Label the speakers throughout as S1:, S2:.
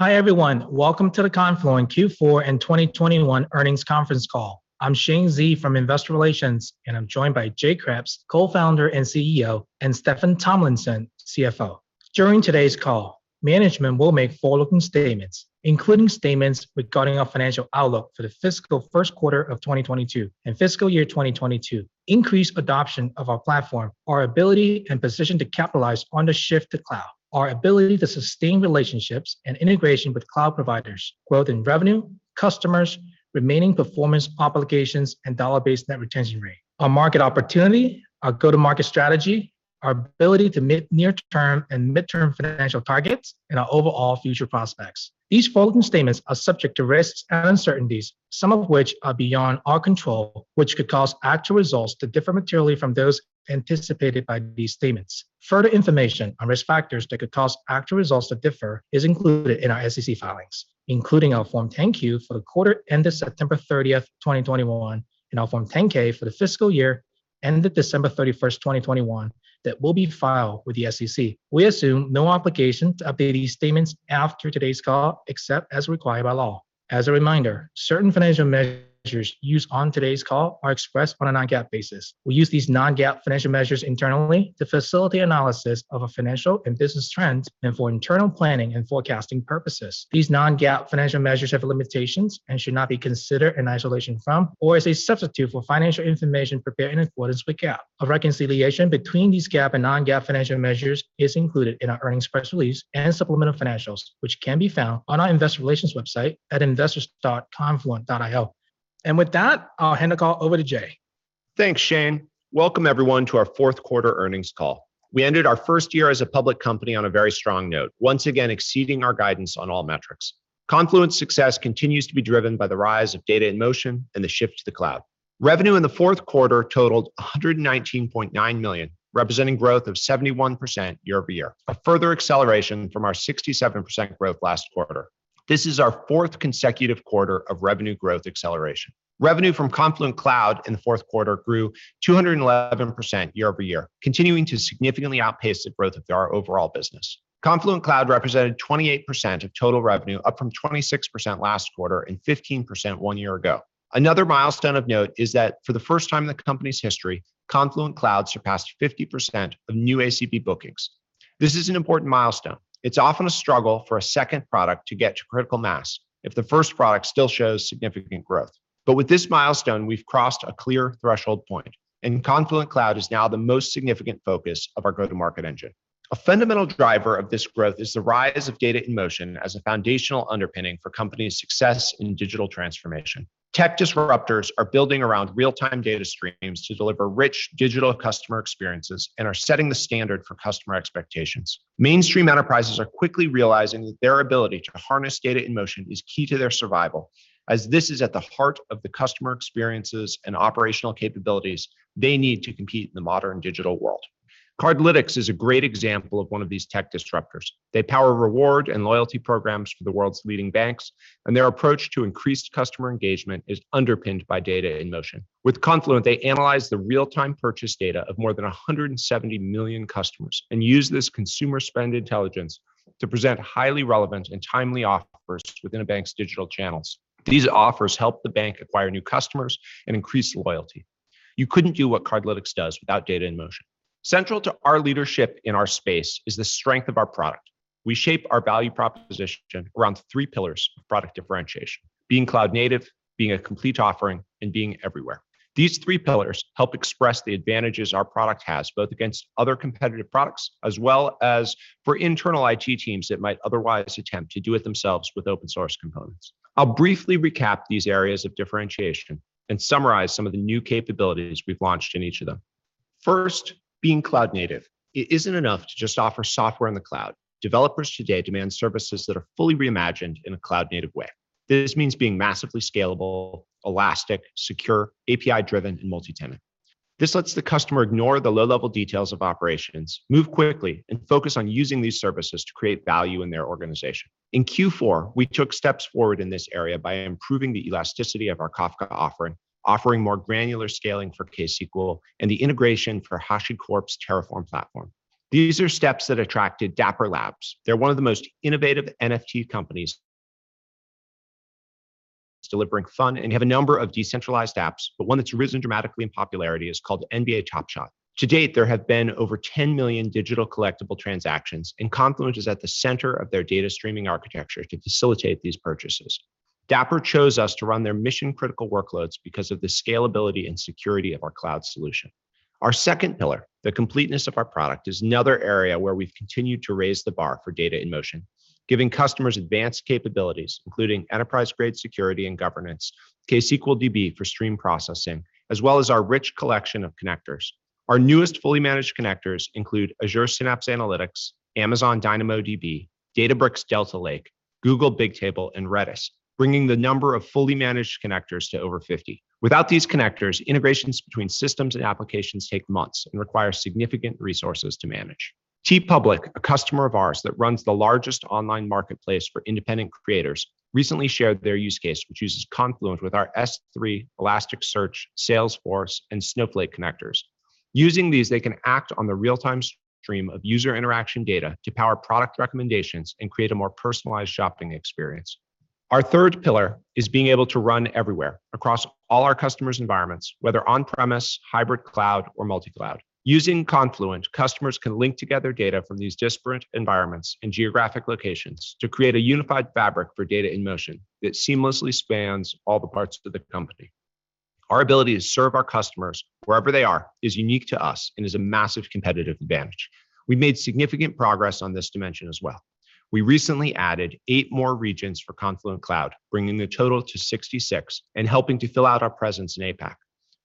S1: Hi, everyone. Welcome to the Confluent Q4 and 2021 Earnings Conference Call. I'm Shane Xie from Investor Relations, and I'm joined by Jay Kreps, Co-founder and CEO, and Steffan Tomlinson, CFO. During today's call, management will make forward-looking statements, including statements regarding our financial outlook for the fiscal first quarter of 2022 and fiscal year 2022, increased adoption of our platform, our ability and position to capitalize on the shift to cloud, our ability to sustain relationships and integration with cloud providers, growth in revenue, customers, remaining performance obligations, and dollar-based net retention rate, our market opportunity, our go-to-market strategy, our ability to meet near-term and midterm financial targets, and our overall future prospects. These forward-looking statements are subject to risks and uncertainties, some of which are beyond our control, which could cause actual results to differ materially from those anticipated by these statements. Further information on risk factors that could cause actual results to differ is included in our SEC filings, including our Form 10-Q for the quarter ended September 30, 2021, and our Form 10-K for the fiscal year ended December 31, 2021, that will be filed with the SEC. We assume no obligation to update these statements after today's call, except as required by law. As a reminder, certain financial measures used on today's call are expressed on a non-GAAP basis. We use these non-GAAP financial measures internally to facilitate analysis of our financial and business trends and for internal planning and forecasting purposes. These non-GAAP financial measures have limitations and should not be considered in isolation from or as a substitute for financial information prepared in accordance with GAAP. A reconciliation between these GAAP and non-GAAP financial measures is included in our earnings press release and supplemental financials, which can be found on our investor relations website at investors.confluent.io. With that, I'll hand the call over to Jay.
S2: Thanks, Shane. Welcome, everyone, to our fourth quarter earnings call. We ended our first year as a public company on a very strong note, once again exceeding our guidance on all metrics. Confluent's success continues to be driven by the rise of data in motion and the shift to the cloud. Revenue in the fourth quarter totaled $119.9 million, representing growth of 71% year-over-year, a further acceleration from our 67% growth last quarter. This is our fourth consecutive quarter of revenue growth acceleration. Revenue from Confluent Cloud in the fourth quarter grew 211% year-over-year, continuing to significantly outpace the growth of our overall business. Confluent Cloud represented 28% of total revenue, up from 26% last quarter and 15% one year ago. Another milestone of note is that for the first time in the company's history, Confluent Cloud surpassed 50% of new ACV bookings. This is an important milestone. It's often a struggle for a second product to get to critical mass if the first product still shows significant growth. With this milestone, we've crossed a clear threshold point, and Confluent Cloud is now the most significant focus of our go-to-market engine. A fundamental driver of this growth is the rise of data in motion as a foundational underpinning for companies' success in digital transformation. Tech disruptors are building around real-time data streams to deliver rich digital customer experiences and are setting the standard for customer expectations. Mainstream enterprises are quickly realizing that their ability to harness data in motion is key to their survival, as this is at the heart of the customer experiences and operational capabilities they need to compete in the modern digital world. Cardlytics is a great example of one of these tech disruptors. They power reward and loyalty programs for the world's leading banks, and their approach to increased customer engagement is underpinned by data in motion. With Confluent, they analyze the real-time purchase data of more than 170 million customers and use this consumer spend intelligence to present highly relevant and timely offers within a bank's digital channels. These offers help the bank acquire new customers and increase loyalty. You couldn't do what Cardlytics does without data in motion. Central to our leadership in our space is the strength of our product. We shape our value proposition around three pillars of product differentiation, being cloud-native, being a complete offering, and being everywhere. These three pillars help express the advantages our product has, both against other competitive products as well as for internal IT teams that might otherwise attempt to do it themselves with open source components. I'll briefly recap these areas of differentiation and summarize some of the new capabilities we've launched in each of them. First, being cloud-native. It isn't enough to just offer software in the cloud. Developers today demand services that are fully reimagined in a cloud-native way. This means being massively scalable, elastic, secure, API-driven, and multi-tenant. This lets the customer ignore the low-level details of operations, move quickly, and focus on using these services to create value in their organization. In Q4, we took steps forward in this area by improving the elasticity of our Kafka offering more granular scaling for ksql, and the integration for HashiCorp's Terraform platform. These are steps that attracted Dapper Labs. They're one of the most innovative NFT companies delivering fun, and have a number of decentralized apps, but one that's risen dramatically in popularity is called NBA Top Shot. To date, there have been over 10 million digital collectible transactions, and Confluent is at the center of their data streaming architecture to facilitate these purchases. Dapper chose us to run their mission-critical workloads because of the scalability and security of our cloud solution. Our second pillar, the completeness of our product, is another area where we've continued to raise the bar for data in motion, giving customers advanced capabilities, including enterprise-grade security and governance, ksqlDB for stream processing, as well as our rich collection of connectors. Our newest fully managed connectors include Azure Synapse Analytics, Amazon DynamoDB, Databricks Delta Lake, Google Bigtable, and Redis, bringing the number of fully managed connectors to over 50. Without these connectors, integrations between systems and applications take months and require significant resources to manage. TeePublic, a customer of ours that runs the largest online marketplace for independent creators, recently shared their use case, which uses Confluent with our S3, Elasticsearch, Salesforce, and Snowflake connectors. Using these, they can act on the real-time stream of user interaction data to power product recommendations and create a more personalized shopping experience. Our third pillar is being able to run everywhere across all our customers' environments, whether on-premise, hybrid cloud, or multi-cloud. Using Confluent, customers can link together data from these disparate environments and geographic locations to create a unified fabric for data in motion that seamlessly spans all the parts of the company. Our ability to serve our customers wherever they are is unique to us and is a massive competitive advantage. We made significant progress on this dimension as well. We recently added eight more regions for Confluent Cloud, bringing the total to 66 and helping to fill out our presence in APAC.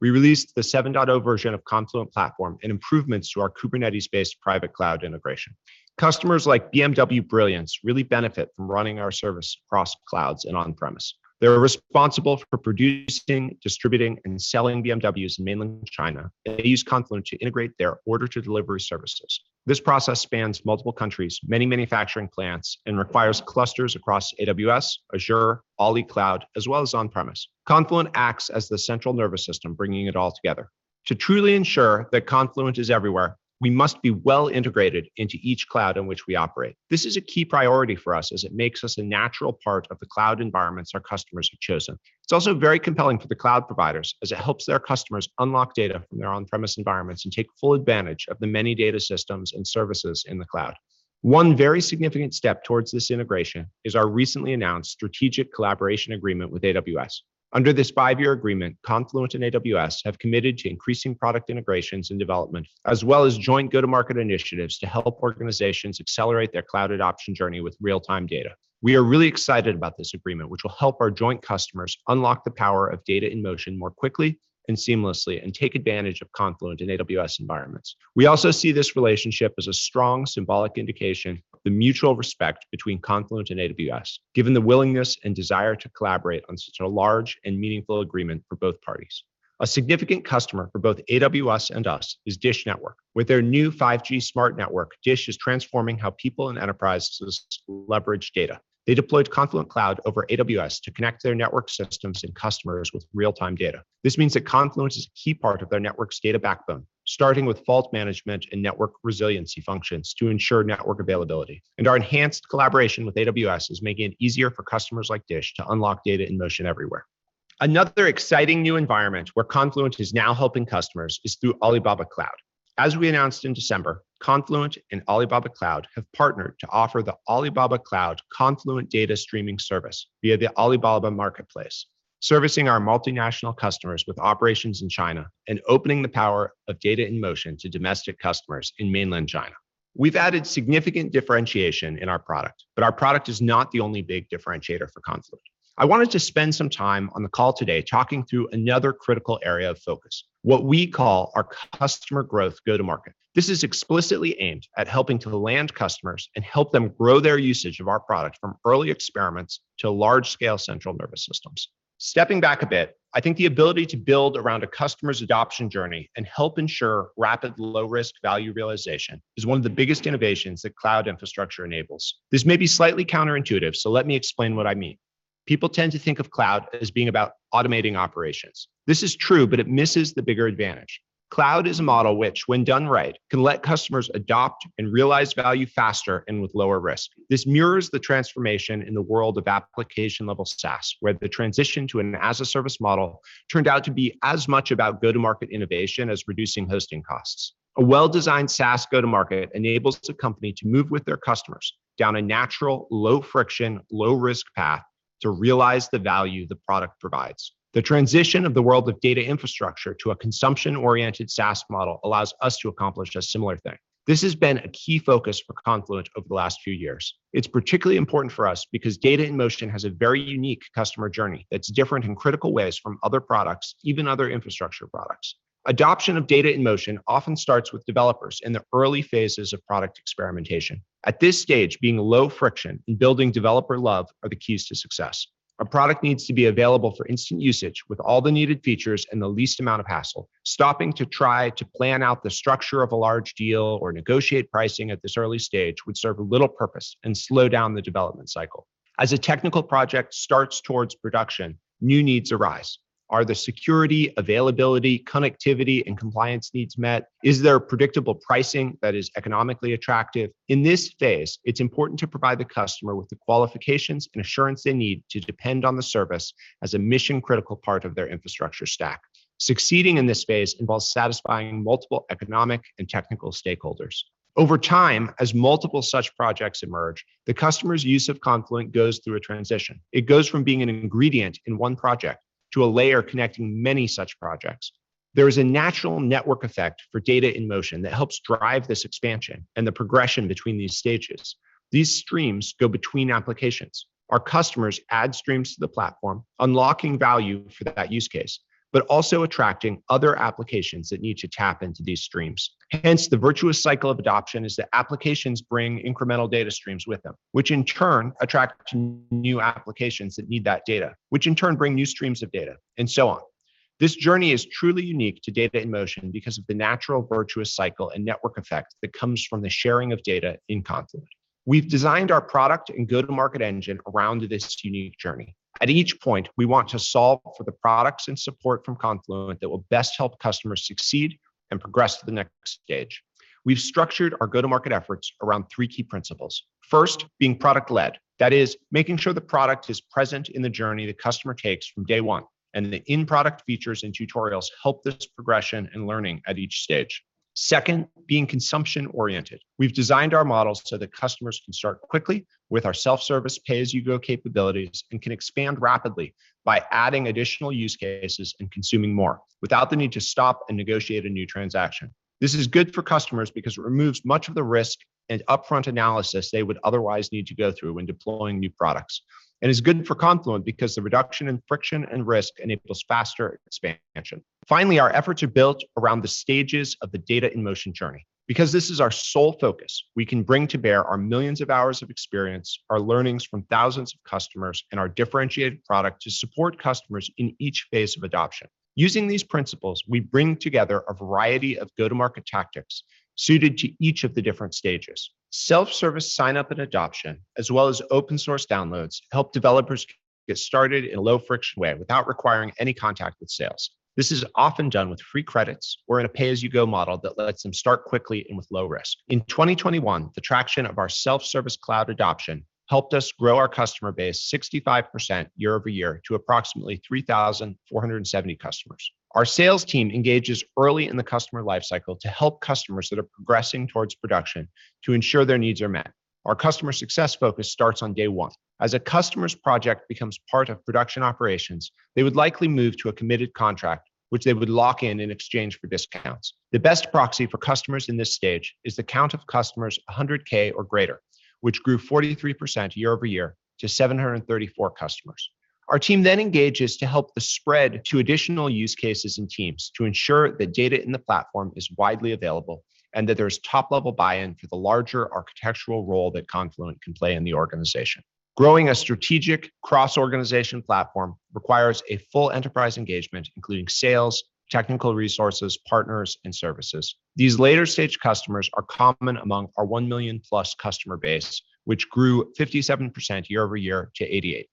S2: We released the 7.0 version of Confluent Platform and improvements to our Kubernetes-based private cloud integration. Customers like BMW Brilliance really benefit from running our service across clouds and on premise. They are responsible for producing, distributing, and selling BMWs in mainland China. They use Confluent to integrate their order-to-delivery services. This process spans multiple countries, many manufacturing plants, and requires clusters across AWS, Azure, Alibaba Cloud, as well as on-premises. Confluent acts as the central nervous system, bringing it all together. To truly ensure that Confluent is everywhere, we must be well integrated into each cloud in which we operate. This is a key priority for us as it makes us a natural part of the cloud environments our customers have chosen. It's also very compelling for the cloud providers as it helps their customers unlock data from their on-premises environments and take full advantage of the many data systems and services in the cloud. One very significant step towards this integration is our recently announced strategic collaboration agreement with AWS. Under this five-year agreement, Confluent and AWS have committed to increasing product integrations and development, as well as joint go-to-market initiatives to help organizations accelerate their cloud adoption journey with real-time data. We are really excited about this agreement, which will help our joint customers unlock the power of data in motion more quickly and seamlessly and take advantage of Confluent in AWS environments. We also see this relationship as a strong symbolic indication of the mutual respect between Confluent and AWS, given the willingness and desire to collaborate on such a large and meaningful agreement for both parties. A significant customer for both AWS and us is DISH Network. With their new 5G smart network, DISH is transforming how people and enterprises leverage data. They deployed Confluent Cloud over AWS to connect their network systems and customers with real-time data. This means that Confluent is a key part of their network's data backbone, starting with fault management and network resiliency functions to ensure network availability. Our enhanced collaboration with AWS is making it easier for customers like DISH to unlock data in motion everywhere. Another exciting new environment where Confluent is now helping customers is through Alibaba Cloud. As we announced in December, Confluent and Alibaba Cloud have partnered to offer the Alibaba Cloud Confluent Data Streaming Service via the Alibaba Marketplace, servicing our multinational customers with operations in China and opening the power of data in motion to domestic customers in mainland China. We've added significant differentiation in our product, but our product is not the only big differentiator for Confluent. I wanted to spend some time on the call today talking through another critical area of focus, what we call our customer growth go-to-market. This is explicitly aimed at helping to land customers and help them grow their usage of our product from early experiments to large-scale central nervous systems. Stepping back a bit, I think the ability to build around a customer's adoption journey and help ensure rapid low-risk value realization is one of the biggest innovations that cloud infrastructure enables. This may be slightly counterintuitive, so let me explain what I mean. People tend to think of cloud as being about automating operations. This is true, but it misses the bigger advantage. Cloud is a model which, when done right, can let customers adopt and realize value faster and with lower risk. This mirrors the transformation in the world of application-level SaaS, where the transition to an as-a-service model turned out to be as much about go-to-market innovation as reducing hosting costs. A well-designed SaaS go-to-market enables the company to move with their customers down a natural, low-friction, low-risk path to realize the value the product provides. The transition of the world of data infrastructure to a consumption-oriented SaaS model allows us to accomplish a similar thing. This has been a key focus for Confluent over the last few years. It's particularly important for us because data in motion has a very unique customer journey that's different in critical ways from other products, even other infrastructure products. Adoption of data in motion often starts with developers in the early phases of product experimentation. At this stage, being low friction and building developer love are the keys to success. A product needs to be available for instant usage with all the needed features and the least amount of hassle. Stopping to try to plan out the structure of a large deal or negotiate pricing at this early stage would serve a little purpose and slow down the development cycle. As a technical project starts towards production, new needs arise. Are the security, availability, connectivity, and compliance needs met? Is there predictable pricing that is economically attractive? In this phase, it's important to provide the customer with the qualifications and assurance they need to depend on the service as a mission-critical part of their infrastructure stack. Succeeding in this phase involves satisfying multiple economic and technical stakeholders. Over time, as multiple such projects emerge, the customer's use of Confluent goes through a transition. It goes from being an ingredient in one project to a layer connecting many such projects. There is a natural network effect for data in motion that helps drive this expansion and the progression between these stages. These streams go between applications. Our customers add streams to the platform, unlocking value for that use case, but also attracting other applications that need to tap into these streams. Hence, the virtuous cycle of adoption is that applications bring incremental data streams with them, which in turn attract new applications that need that data, which in turn bring new streams of data, and so on. This journey is truly unique to data in motion because of the natural virtuous cycle and network effect that comes from the sharing of data in Confluent. We've designed our product and go-to-market engine around this unique journey. At each point, we want to solve for the products and support from Confluent that will best help customers succeed and progress to the next stage. We've structured our go-to-market efforts around three key principles. First, being product-led. That is, making sure the product is present in the journey the customer takes from day one, and the in-product features and tutorials help this progression and learning at each stage. Second, being consumption-oriented. We've designed our models so that customers can start quickly with our self-service pay-as-you-go capabilities and can expand rapidly by adding additional use cases and consuming more without the need to stop and negotiate a new transaction. This is good for customers because it removes much of the risk and upfront analysis they would otherwise need to go through when deploying new products. It's good for Confluent because the reduction in friction and risk enables faster expansion. Finally, our efforts are built around the stages of the data in motion journey. Because this is our sole focus, we can bring to bear our millions of hours of experience, our learnings from thousands of customers, and our differentiated product to support customers in each phase of adoption. Using these principles, we bring together a variety of go-to-market tactics suited to each of the different stages. Self-service sign-up and adoption, as well as open source downloads, help developers get started in a low-friction way without requiring any contact with sales. This is often done with free credits or in a pay-as-you-go model that lets them start quickly and with low risk. In 2021, the traction of our self-service cloud adoption helped us grow our customer base 65% year over year to approximately 3,470 customers. Our sales team engages early in the customer life cycle to help customers that are progressing towards production to ensure their needs are met. Our customer success focus starts on day one. As a customer's project becomes part of production operations, they would likely move to a committed contract which they would lock in in exchange for discounts. The best proxy for customers in this stage is the count of customers 100K or greater, which grew 43% year-over-year to 734 customers. Our team then engages to help the spread to additional use cases and teams to ensure the data in the platform is widely available and that there's top-level buy-in for the larger architectural role that Confluent can play in the organization. Growing a strategic cross-organization platform requires a full enterprise engagement, including sales, technical resources, partners, and services. These later-stage customers are common among our 1 million-plus customer base, which grew 57% year-over-year to 88.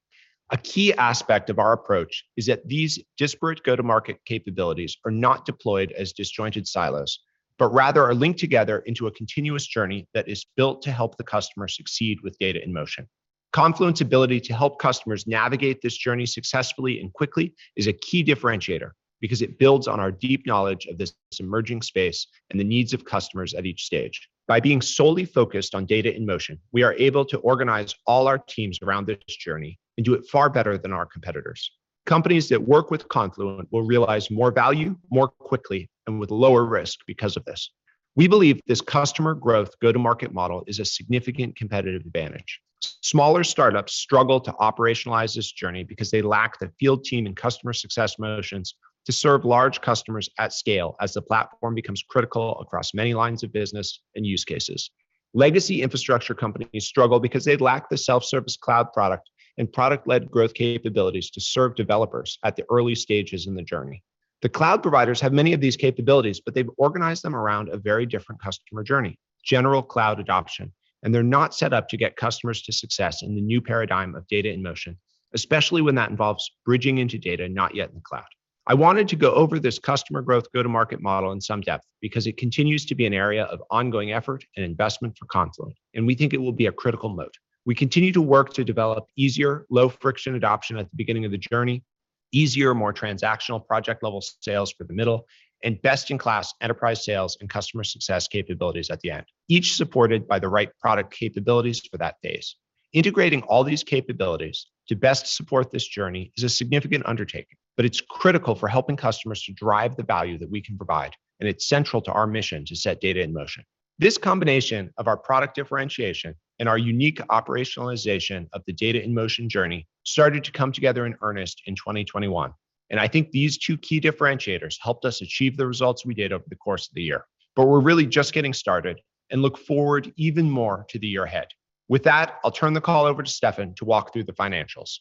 S2: A key aspect of our approach is that these disparate go-to-market capabilities are not deployed as disjointed silos, but rather are linked together into a continuous journey that is built to help the customer succeed with data in motion. Confluent's ability to help customers navigate this journey successfully and quickly is a key differentiator because it builds on our deep knowledge of this emerging space and the needs of customers at each stage. By being solely focused on data in motion, we are able to organize all our teams around this journey and do it far better than our competitors. Companies that work with Confluent will realize more value more quickly and with lower risk because of this. We believe this customer growth go-to-market model is a significant competitive advantage. Smaller startups struggle to operationalize this journey because they lack the field team and customer success motions to serve large customers at scale as the platform becomes critical across many lines of business and use cases. Legacy infrastructure companies struggle because they lack the self-service cloud product and product-led growth capabilities to serve developers at the early stages in the journey. The cloud providers have many of these capabilities, but they've organized them around a very different customer journey, general cloud adoption, and they're not set up to get customers to success in the new paradigm of data in motion, especially when that involves bridging into data not yet in the cloud. I wanted to go over this customer growth go-to-market model in some depth because it continues to be an area of ongoing effort and investment for Confluent, and we think it will be a critical moat. We continue to work to develop easier, low-friction adoption at the beginning of the journey, easier, more transactional project-level sales for the middle, and best-in-class enterprise sales and customer success capabilities at the end, each supported by the right product capabilities for that phase. Integrating all these capabilities to best support this journey is a significant undertaking, but it's critical for helping customers to drive the value that we can provide, and it's central to our mission to set data in motion. This combination of our product differentiation and our unique operationalization of the data in motion journey started to come together in earnest in 2021, and I think these two key differentiators helped us achieve the results we did over the course of the year. We're really just getting started and look forward even more to the year ahead. With that, I'll turn the call over to Steffan to walk through the financials.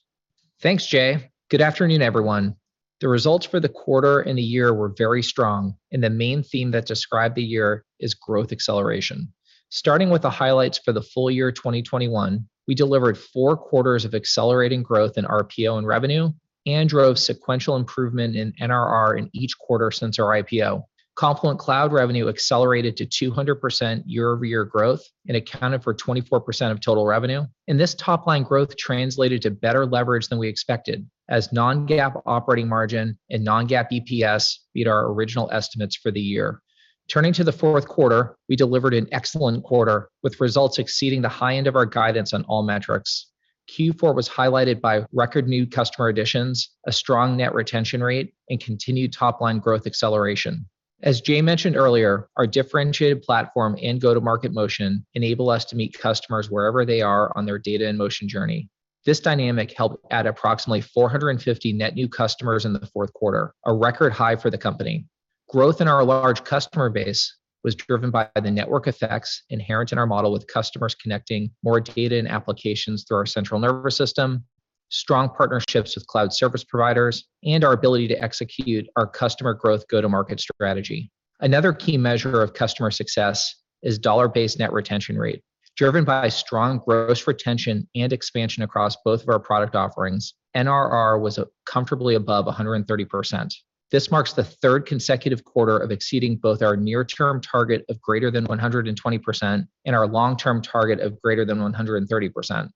S3: Thanks, Jay. Good afternoon, everyone. The results for the quarter and the year were very strong, and the main theme that described the year is growth acceleration. Starting with the highlights for the full year 2021, we delivered four quarters of accelerating growth in RPO and revenue and drove sequential improvement in NRR in each quarter since our IPO. Confluent Cloud revenue accelerated to 200% year-over-year growth and accounted for 24% of total revenue. This top line growth translated to better leverage than we expected as non-GAAP operating margin and non-GAAP EPS beat our original estimates for the year. Turning to the fourth quarter, we delivered an excellent quarter with results exceeding the high end of our guidance on all metrics. Q4 was highlighted by record new customer additions, a strong net retention rate, and continued top-line growth acceleration. As Jay mentioned earlier, our differentiated platform and go-to-market motion enable us to meet customers wherever they are on their data in motion journey. This dynamic helped add approximately 450 net new customers in the fourth quarter, a record high for the company. Growth in our large customer base was driven by the network effects inherent in our model with customers connecting more data and applications through our central nervous system, strong partnerships with cloud service providers, and our ability to execute our customer growth go-to-market strategy. Another key measure of customer success is dollar-based net retention rate. Driven by strong gross retention and expansion across both of our product offerings, NRR was comfortably above 130%. This marks the third consecutive quarter of exceeding both our near-term target of greater than 120% and our long-term target of greater than 130%.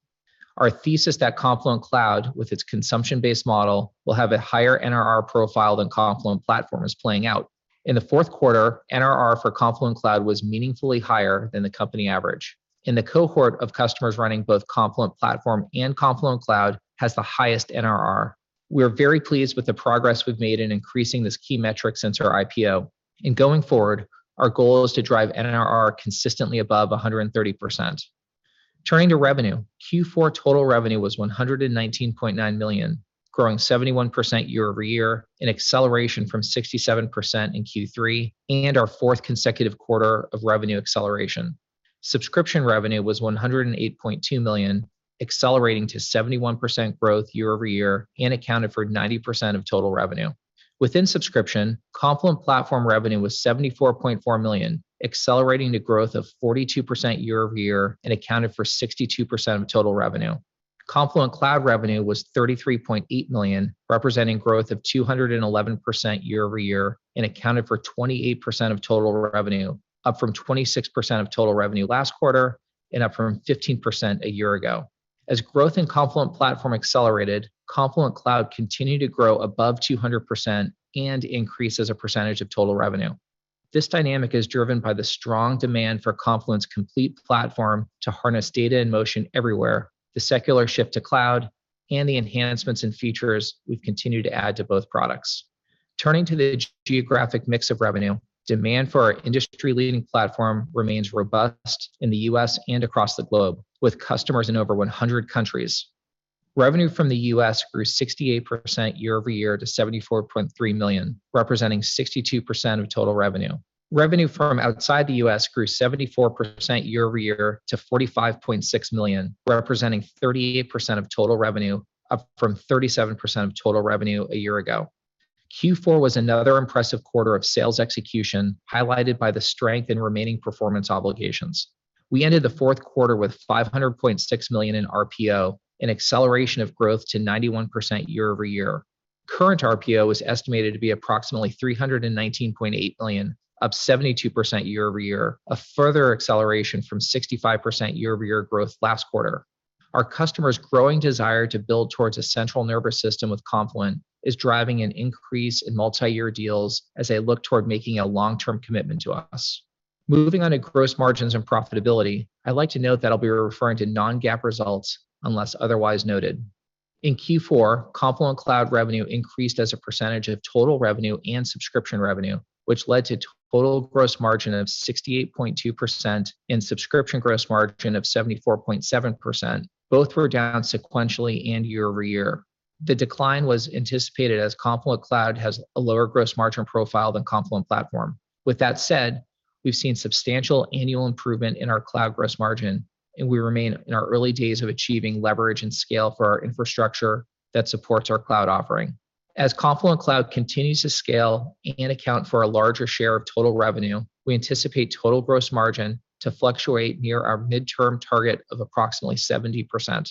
S3: Our thesis that Confluent Cloud, with its consumption-based model, will have a higher NRR profile than Confluent Platform is playing out. In the fourth quarter, NRR for Confluent Cloud was meaningfully higher than the company average. In the cohort of customers running both Confluent Platform and Confluent Cloud, it has the highest NRR. We are very pleased with the progress we've made in increasing this key metric since our IPO. Going forward, our goal is to drive NRR consistently above 130%. Turning to revenue, Q4 total revenue was $119.9 million, growing 71% year-over-year, an acceleration from 67% in Q3, and our fourth consecutive quarter of revenue acceleration. Subscription revenue was $108.2 million, accelerating to 71% growth year-over-year and accounted for 90% of total revenue. Within subscription, Confluent Platform revenue was $74.4 million, accelerating to growth of 42% year-over-year and accounted for 62% of total revenue. Confluent Cloud revenue was $33.8 million, representing growth of 211% year-over-year and accounted for 28% of total revenue, up from 26% of total revenue last quarter and up from 15% a year ago. As growth in Confluent Platform accelerated, Confluent Cloud continued to grow above 200% and increase as a percentage of total revenue. This dynamic is driven by the strong demand for Confluent's complete platform to harness data in motion everywhere, the secular shift to cloud, and the enhancements in features we've continued to add to both products. Turning to the geographic mix of revenue, demand for our industry-leading platform remains robust in the U.S. and across the globe, with customers in over 100 countries. Revenue from the U.S. grew 68% year over year to $74.3 million, representing 62% of total revenue. Revenue from outside the U.S. grew 74% year over year to $45.6 million, representing 38% of total revenue, up from 37% of total revenue a year ago. Q4 was another impressive quarter of sales execution, highlighted by the strength in remaining performance obligations. We ended the fourth quarter with $500.6 million in RPO, an acceleration of growth to 91% year-over-year. Current RPO was estimated to be approximately $319.8 million, up 72% year-over-year, a further acceleration from 65% year-over-year growth last quarter. Our customers' growing desire to build towards a central nervous system with Confluent is driving an increase in multi-year deals as they look toward making a long-term commitment to us. Moving on to gross margins and profitability, I'd like to note that I'll be referring to non-GAAP results unless otherwise noted. In Q4, Confluent Cloud revenue increased as a percentage of total revenue and subscription revenue, which led to total gross margin of 68.2% and subscription gross margin of 74.7%. Both were down sequentially and year over year. The decline was anticipated as Confluent Cloud has a lower gross margin profile than Confluent Platform. With that said, we've seen substantial annual improvement in our cloud gross margin, and we remain in our early days of achieving leverage and scale for our infrastructure that supports our cloud offering. As Confluent Cloud continues to scale and account for a larger share of total revenue, we anticipate total gross margin to fluctuate near our midterm target of approximately 70%.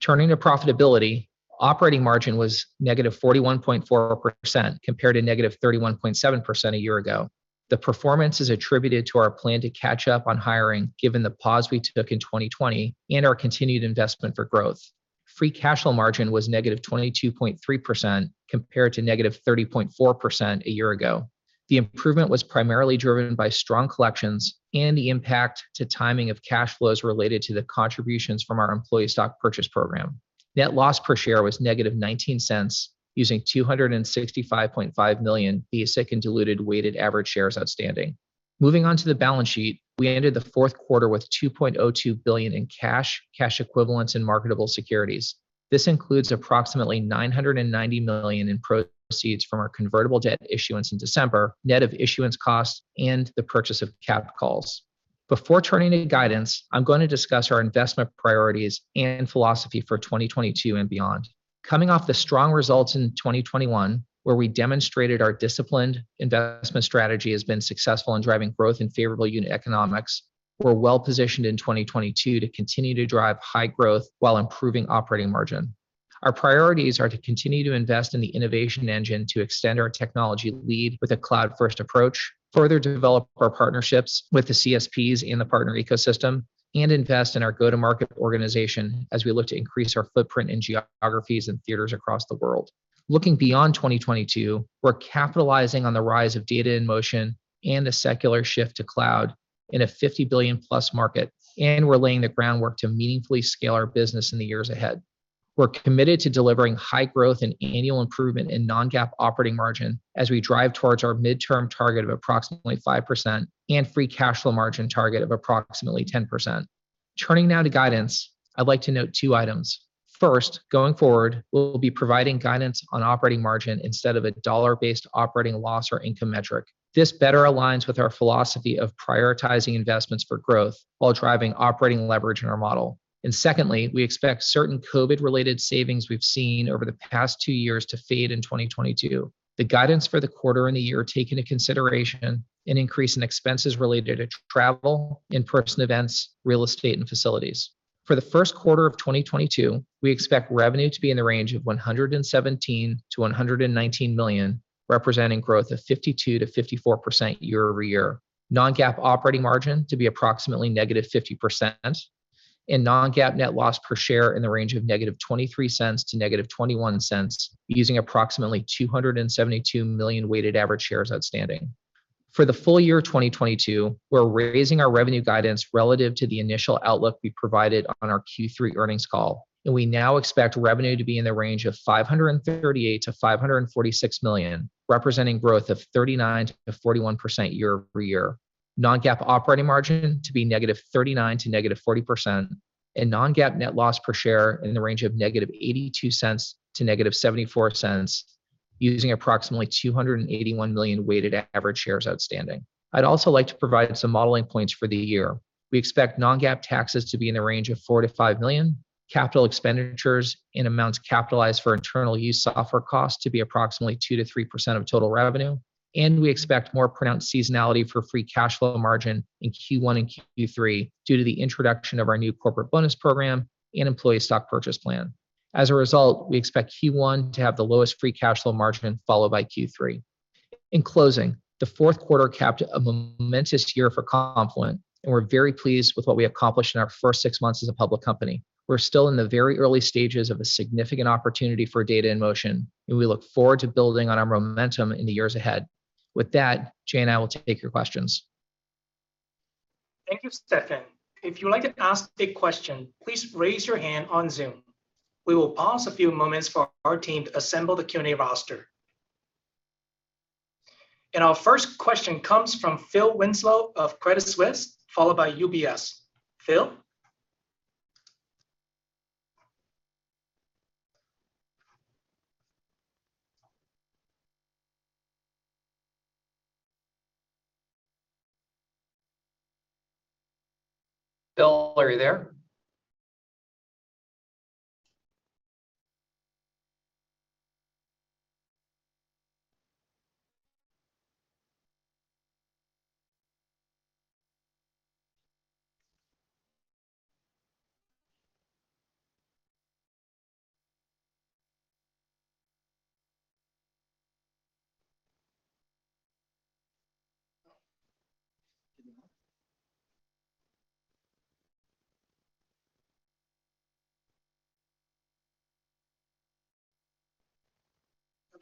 S3: Turning to profitability, operating margin was negative 41.4% compared to negative 31.7% a year ago. The performance is attributed to our plan to catch up on hiring given the pause we took in 2020 and our continued investment for growth. Free cash flow margin was -22.3% compared to -30.4% a year ago. The improvement was primarily driven by strong collections and the impact to timing of cash flows related to the contributions from our employee stock purchase program. Net loss per share was -$0.19 using 265.5 million basic and diluted weighted average shares outstanding. Moving on to the balance sheet, we ended the fourth quarter with $2.02 billion in cash equivalents, and marketable securities. This includes approximately $990 million in proceeds from our convertible debt issuance in December, net of issuance costs, and the purchase of cap calls. Before turning to guidance, I'm going to discuss our investment priorities and philosophy for 2022 and beyond. Coming off the strong results in 2021, where we demonstrated our disciplined investment strategy has been successful in driving growth and favorable unit economics, we're well-positioned in 2022 to continue to drive high growth while improving operating margin. Our priorities are to continue to invest in the innovation engine to extend our technology lead with a cloud-first approach, further develop our partnerships with the CSPs in the partner ecosystem, and invest in our go-to-market organization as we look to increase our footprint in geographies and theaters across the world. Looking beyond 2022, we're capitalizing on the rise of data in motion and the secular shift to cloud in a 50 billion-plus market, and we're laying the groundwork to meaningfully scale our business in the years ahead. We're committed to delivering high growth and annual improvement in non-GAAP operating margin as we drive towards our midterm target of approximately 5% and free cash flow margin target of approximately 10%. Turning now to guidance, I'd like to note two items. First, going forward, we'll be providing guidance on operating margin instead of a dollar-based operating loss or income metric. This better aligns with our philosophy of prioritizing investments for growth while driving operating leverage in our model. Secondly, we expect certain COVID-related savings we've seen over the past two years to fade in 2022. The guidance for the quarter and the year take into consideration an increase in expenses related to travel, in-person events, real estate, and facilities. For the first quarter of 2022, we expect revenue to be in the range of $117 million-$119 million, representing growth of 52%-54% year-over-year. Non-GAAP operating margin to be approximately -50% and non-GAAP net loss per share in the range of -$0.23 to -$0.21, using approximately 272 million weighted average shares outstanding. For the full year of 2022, we're raising our revenue guidance relative to the initial outlook we provided on our Q3 earnings call, and we now expect revenue to be in the range of $538 million-$546 million, representing growth of 39%-41% year-over-year. Non-GAAP operating margin to be -39% to -40% and non-GAAP net loss per share in the range of -$0.82 to -$0.74, using approximately 281 million weighted average shares outstanding. I'd also like to provide some modeling points for the year. We expect non-GAAP taxes to be in the range of $4 million-$5 million, capital expenditures in amounts capitalized for internal use software costs to be approximately 2%-3% of total revenue, and we expect more pronounced seasonality for free cash flow margin in Q1 and Q3 due to the introduction of our new corporate bonus program and employee stock purchase plan. As a result, we expect Q1 to have the lowest free cash flow margin, followed by Q3. In closing, the fourth quarter capped a momentous year for Confluent, and we're very pleased with what we accomplished in our first six months as a public company. We're still in the very early stages of a significant opportunity for data in motion, and we look forward to building on our momentum in the years ahead. With that, Jay and I will take your questions.
S1: Thank you, Steffan. If you'd like to ask a question, please raise your hand on Zoom. We will pause a few moments for our team to assemble the Q&A roster. Our first question comes from Phil Winslow of Credit Suisse, followed by UBS. Phil? Phil, are you there?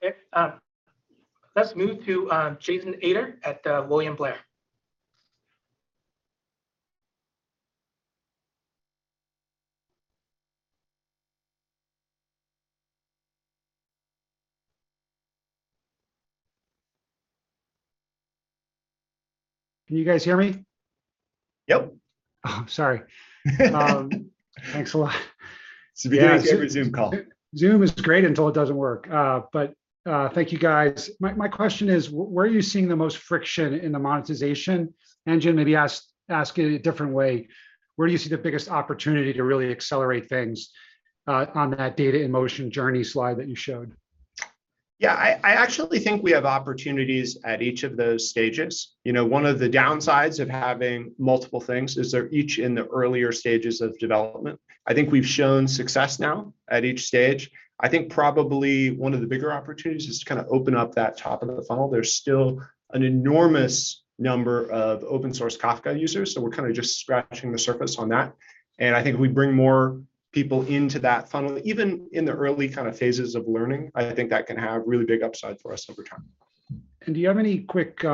S1: Okay, let's move to Jason Ader at William Blair.
S4: Can you guys hear me?
S3: Yep.
S4: Oh, sorry. Thanks a lot.
S3: It's the beauty of a Zoom call.
S4: Zoom is great until it doesn't work. Thank you guys. My question is, where are you seeing the most friction in the monetization engine? Ask it a different way, where do you see the biggest opportunity to really accelerate things, on that data in motion journey slide that you showed?
S3: Yeah, I actually think we have opportunities at each of those stages. You know, one of the downsides of having multiple things is they're each in the earlier stages of development. I think we've shown success now at each stage. I think probably one of the bigger opportunities is to kinda open up that top of the funnel. There's still an enormous number of open source Kafka users, so we're kinda just scratching the surface on that. I think if we bring more people into that funnel, even in the early kinda phases of learning, I think that can have really big upside for us over time.
S4: Do you have any quick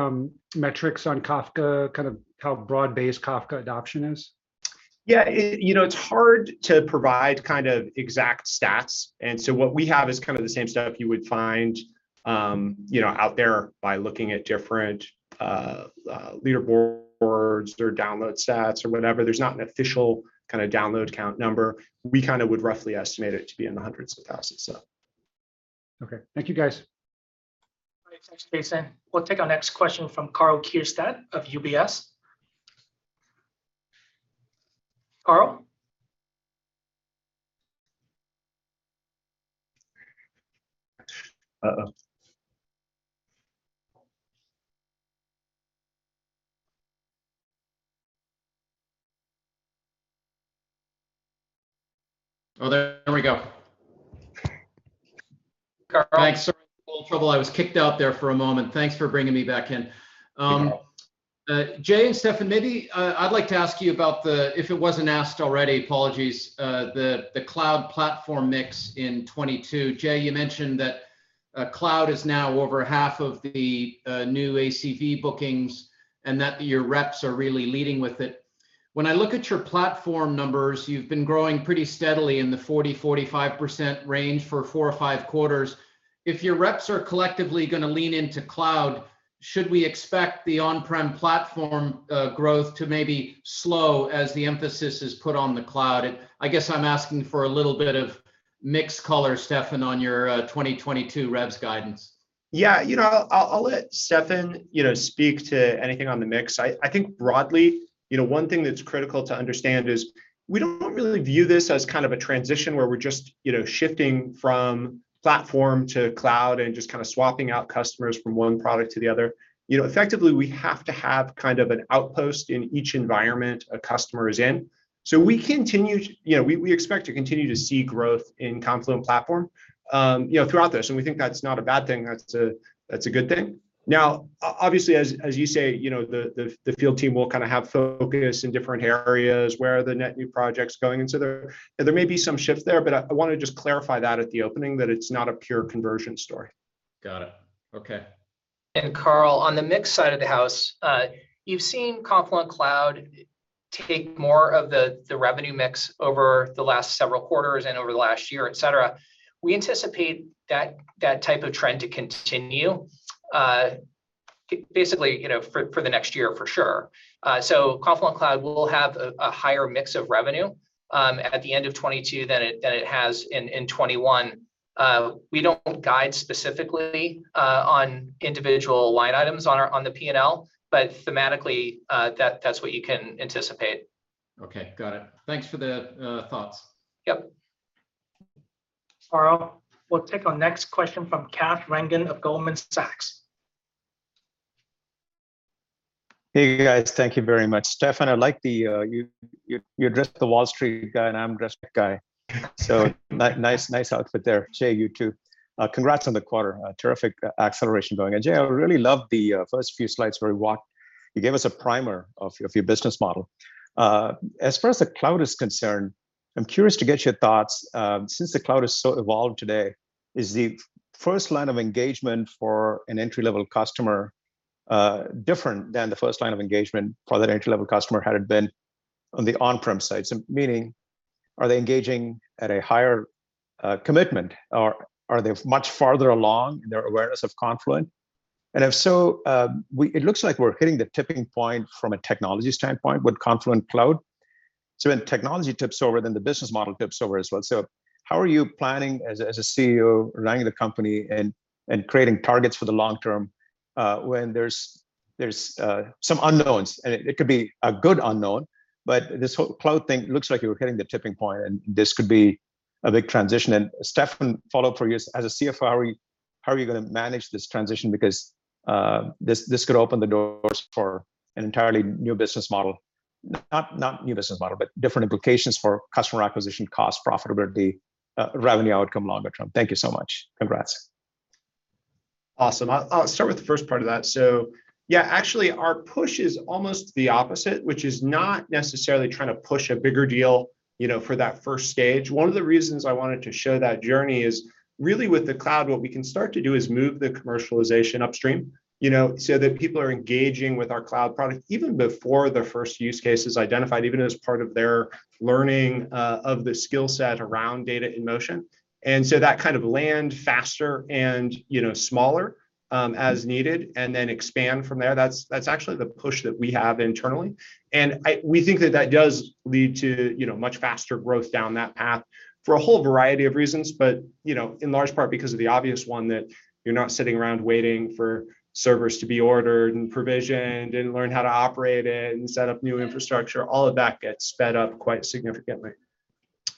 S4: metrics on Kafka, kind of how broad-based Kafka adoption is?
S3: Yeah, you know, it's hard to provide kind of exact stats, and so what we have is kind of the same stuff you would find, you know, out there by looking at different leaderboards or download stats or whatever. There's not an official kinda download count number. We kinda would roughly estimate it to be in the hundreds of thousands, so.
S4: Okay. Thank you, guys.
S1: All right. Thanks, Jason. We'll take our next question from Karl Keirstead of UBS. Karl?
S5: Oh, there we go.
S1: Karl-
S5: Sorry for the trouble. I was kicked out there for a moment. Thanks for bringing me back in. Jay and Steffan, maybe I'd like to ask you about the if it wasn't asked already, apologies, the cloud platform mix in 2022. Jay, you mentioned that cloud is now over half of the new ACV bookings, and that your reps are really leading with it. When I look at your platform numbers, you've been growing pretty steadily in the 40-45% range for four or five quarters. If your reps are collectively gonna lean into cloud, should we expect the on-prem platform growth to maybe slow as the emphasis is put on the cloud? I guess I'm asking for a little bit of mix color, Steffan, on your 2022 reps guidance.
S2: Yeah, you know, I'll let Steffan, you know, speak to anything on the mix. I think broadly, you know, one thing that's critical to understand is we don't really view this as kind of a transition where we're just, you know, shifting from platform to cloud and just kind of swapping out customers from one product to the other. You know, effectively, we have to have kind of an outpost in each environment a customer is in. We expect to continue to see growth in Confluent Platform throughout this, and we think that's not a bad thing. That's a good thing. Now, obviously, as you say, you know, the field team will kind of have focus in different areas, where are the net new projects going. There may be some shifts there, but I wanna just clarify that at the opening, that it's not a pure conversion story.
S5: Got it. Okay.
S3: Karl, on the mix side of the house, you've seen Confluent Cloud take more of the revenue mix over the last several quarters and over the last year, et cetera. We anticipate that type of trend to continue, basically, you know, for the next year, for sure. Confluent Cloud will have a higher mix of revenue at the end of 2022 than it has in 2021. We don't guide specifically on individual line items on the P&L, but thematically, that's what you can anticipate.
S5: Okay, got it. Thanks for the, thoughts.
S3: Yep.
S1: Karl, we'll take our next question from Kash Rangan of Goldman Sachs.
S6: Hey, guys. Thank you very much. Steffan, I like the, you're dressed the Wall Street guy, and I'm dressed the guy. So nice outfit there. Jay, you too. Congrats on the quarter. A terrific acceleration going. Jay, I really loved the first few slides where we walked. You gave us a primer of your business model. As far as the cloud is concerned, I'm curious to get your thoughts, since the cloud is so evolved today, is the first line of engagement for an entry-level customer different than the first line of engagement for that entry-level customer had it been on the on-prem sites? Meaning, are they engaging at a higher commitment, or are they much farther along in their awareness of Confluent? If so, it looks like we're hitting the tipping point from a technology standpoint with Confluent Cloud. When technology tips over, then the business model tips over as well. How are you planning as a CEO running the company and creating targets for the long term, when there's some unknowns? It could be a good unknown, but this whole cloud thing looks like we're hitting the tipping point, and this could be a big transition. Steffan, follow-up for you. As a CFO, how are you gonna manage this transition? Because this could open the doors for an entirely new business model. Not new business model, but different implications for customer acquisition costs, profitability, revenue outcome longer term. Thank you so much. Congrats.
S2: Awesome. I'll start with the first part of that. Yeah, actually our push is almost the opposite, which is not necessarily trying to push a bigger deal, you know, for that first stage. One of the reasons I wanted to show that journey is really with the cloud what we can start to do is move the commercialization upstream, you know, so that people are engaging with our cloud product even before the first use case is identified, even as part of their learning of the skill set around data in motion. That kind of land faster and, you know, smaller, as needed and then expand from there. That's actually the push that we have internally. We think that does lead to, you know, much faster growth down that path for a whole variety of reasons, but, you know, in large part because of the obvious one that you're not sitting around waiting for servers to be ordered and provisioned and learn how to operate it and set up new infrastructure. All of that gets sped up quite significantly.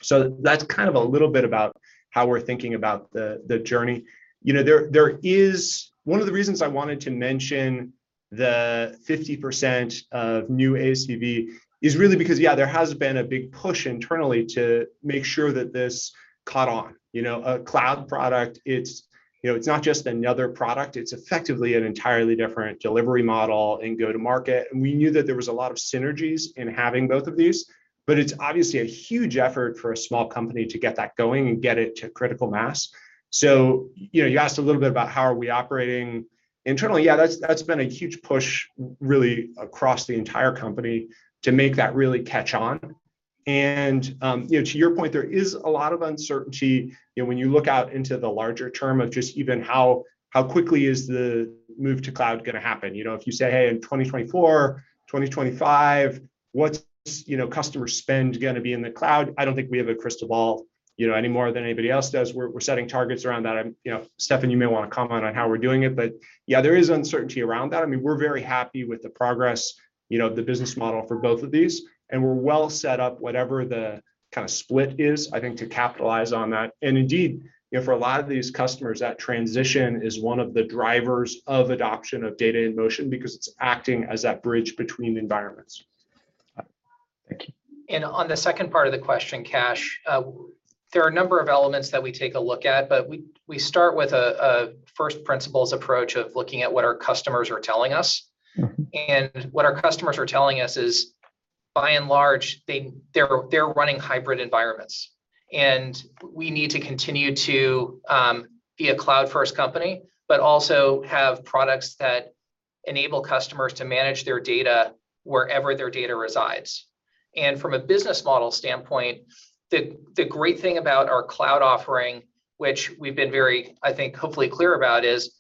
S2: That's kind of a little bit about how we're thinking about the journey. You know, there is one of the reasons I wanted to mention the 50% of new ACV is really because, yeah, there has been a big push internally to make sure that this caught on. You know, a cloud product, it's, you know, it's not just another product. It's effectively an entirely different delivery model and go to market. We knew that there was a lot of synergies in having both of these, but it's obviously a huge effort for a small company to get that going and get it to critical mass. You know, you asked a little bit about how are we operating internally. Yeah, that's been a huge push really across the entire company to make that really catch on. You know, to your point, there is a lot of uncertainty, you know, when you look out into the larger term of just even how quickly is the move to cloud gonna happen. You know, if you say, "Hey, in 2024, 2025, what's, you know, customer spend gonna be in the cloud?" I don't think we have a crystal ball, you know, any more than anybody else does. We're setting targets around that. I'm You know, Steffan, you may wanna comment on how we're doing it. Yeah, there is uncertainty around that. I mean, we're very happy with the progress, you know, the business model for both of these, and we're well set up, whatever the kind of split is, I think, to capitalize on that. Indeed, you know, for a lot of these customers, that transition is one of the drivers of adoption of data in motion because it's acting as that bridge between environments.
S3: On the second part of the question, Kash, there are a number of elements that we take a look at, but we start with a first principles approach of looking at what our customers are telling us.
S2: Mm-hmm.
S3: What our customers are telling us is by and large, they're running hybrid environments. We need to continue to be a cloud-first company, but also have products that enable customers to manage their data wherever their data resides. From a business model standpoint, the great thing about our cloud offering, which we've been very, I think, hopefully clear about, is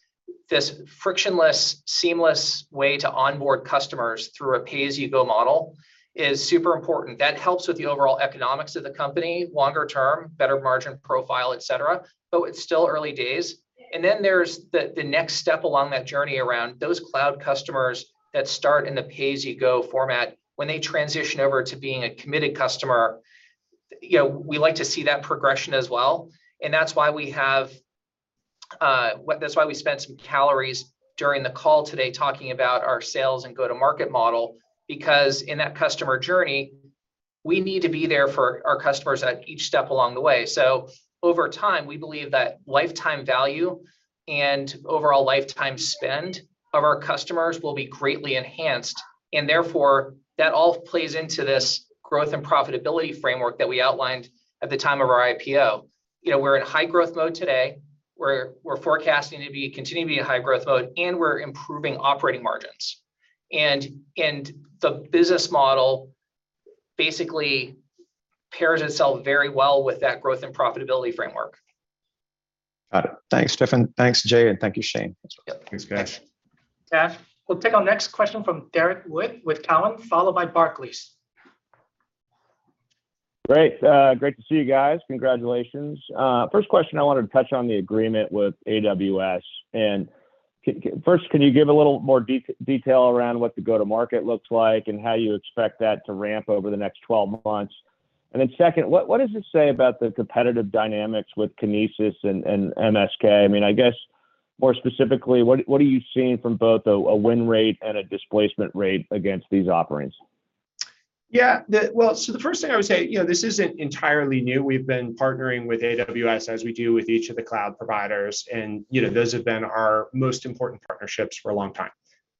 S3: this frictionless, seamless way to onboard customers through a pay-as-you-go model is super important. That helps with the overall economics of the company longer term, better margin profile, et cetera. It's still early days. There's the next step along that journey around those cloud customers that start in the pay-as-you-go format. When they transition over to being a committed customer, you know, we like to see that progression as well, and that's why we spent some calories during the call today talking about our sales and go-to-market model. Because in that customer journey, we need to be there for our customers at each step along the way. Over time, we believe that lifetime value and overall lifetime spend of our customers will be greatly enhanced, and therefore, that all plays into this growth and profitability framework that we outlined at the time of our IPO. You know, we're in high growth mode today. We're forecasting to continue to be in high growth mode, and we're improving operating margins. The business model basically pairs itself very well with that growth and profitability framework.
S2: Got it. Thanks, Steffan. Thanks, Jay, and thank you, Shane.
S3: Yep.
S2: Thanks, guys.
S1: Kash, we'll take our next question from Derrick Wood with Cowen, followed by Barclays.
S7: Great. Great to see you guys. Congratulations. First question, I wanted to touch on the agreement with AWS. First, can you give a little more detail around what the go-to-market looks like and how you expect that to ramp over the next 12 months? Second, what does this say about the competitive dynamics with Kinesis and MSK? I mean, I guess more specifically, what are you seeing from both a win rate and a displacement rate against these offerings?
S2: The first thing I would say, you know, this isn't entirely new. We've been partnering with AWS, as we do with each of the cloud providers, and, you know, those have been our most important partnerships for a long time.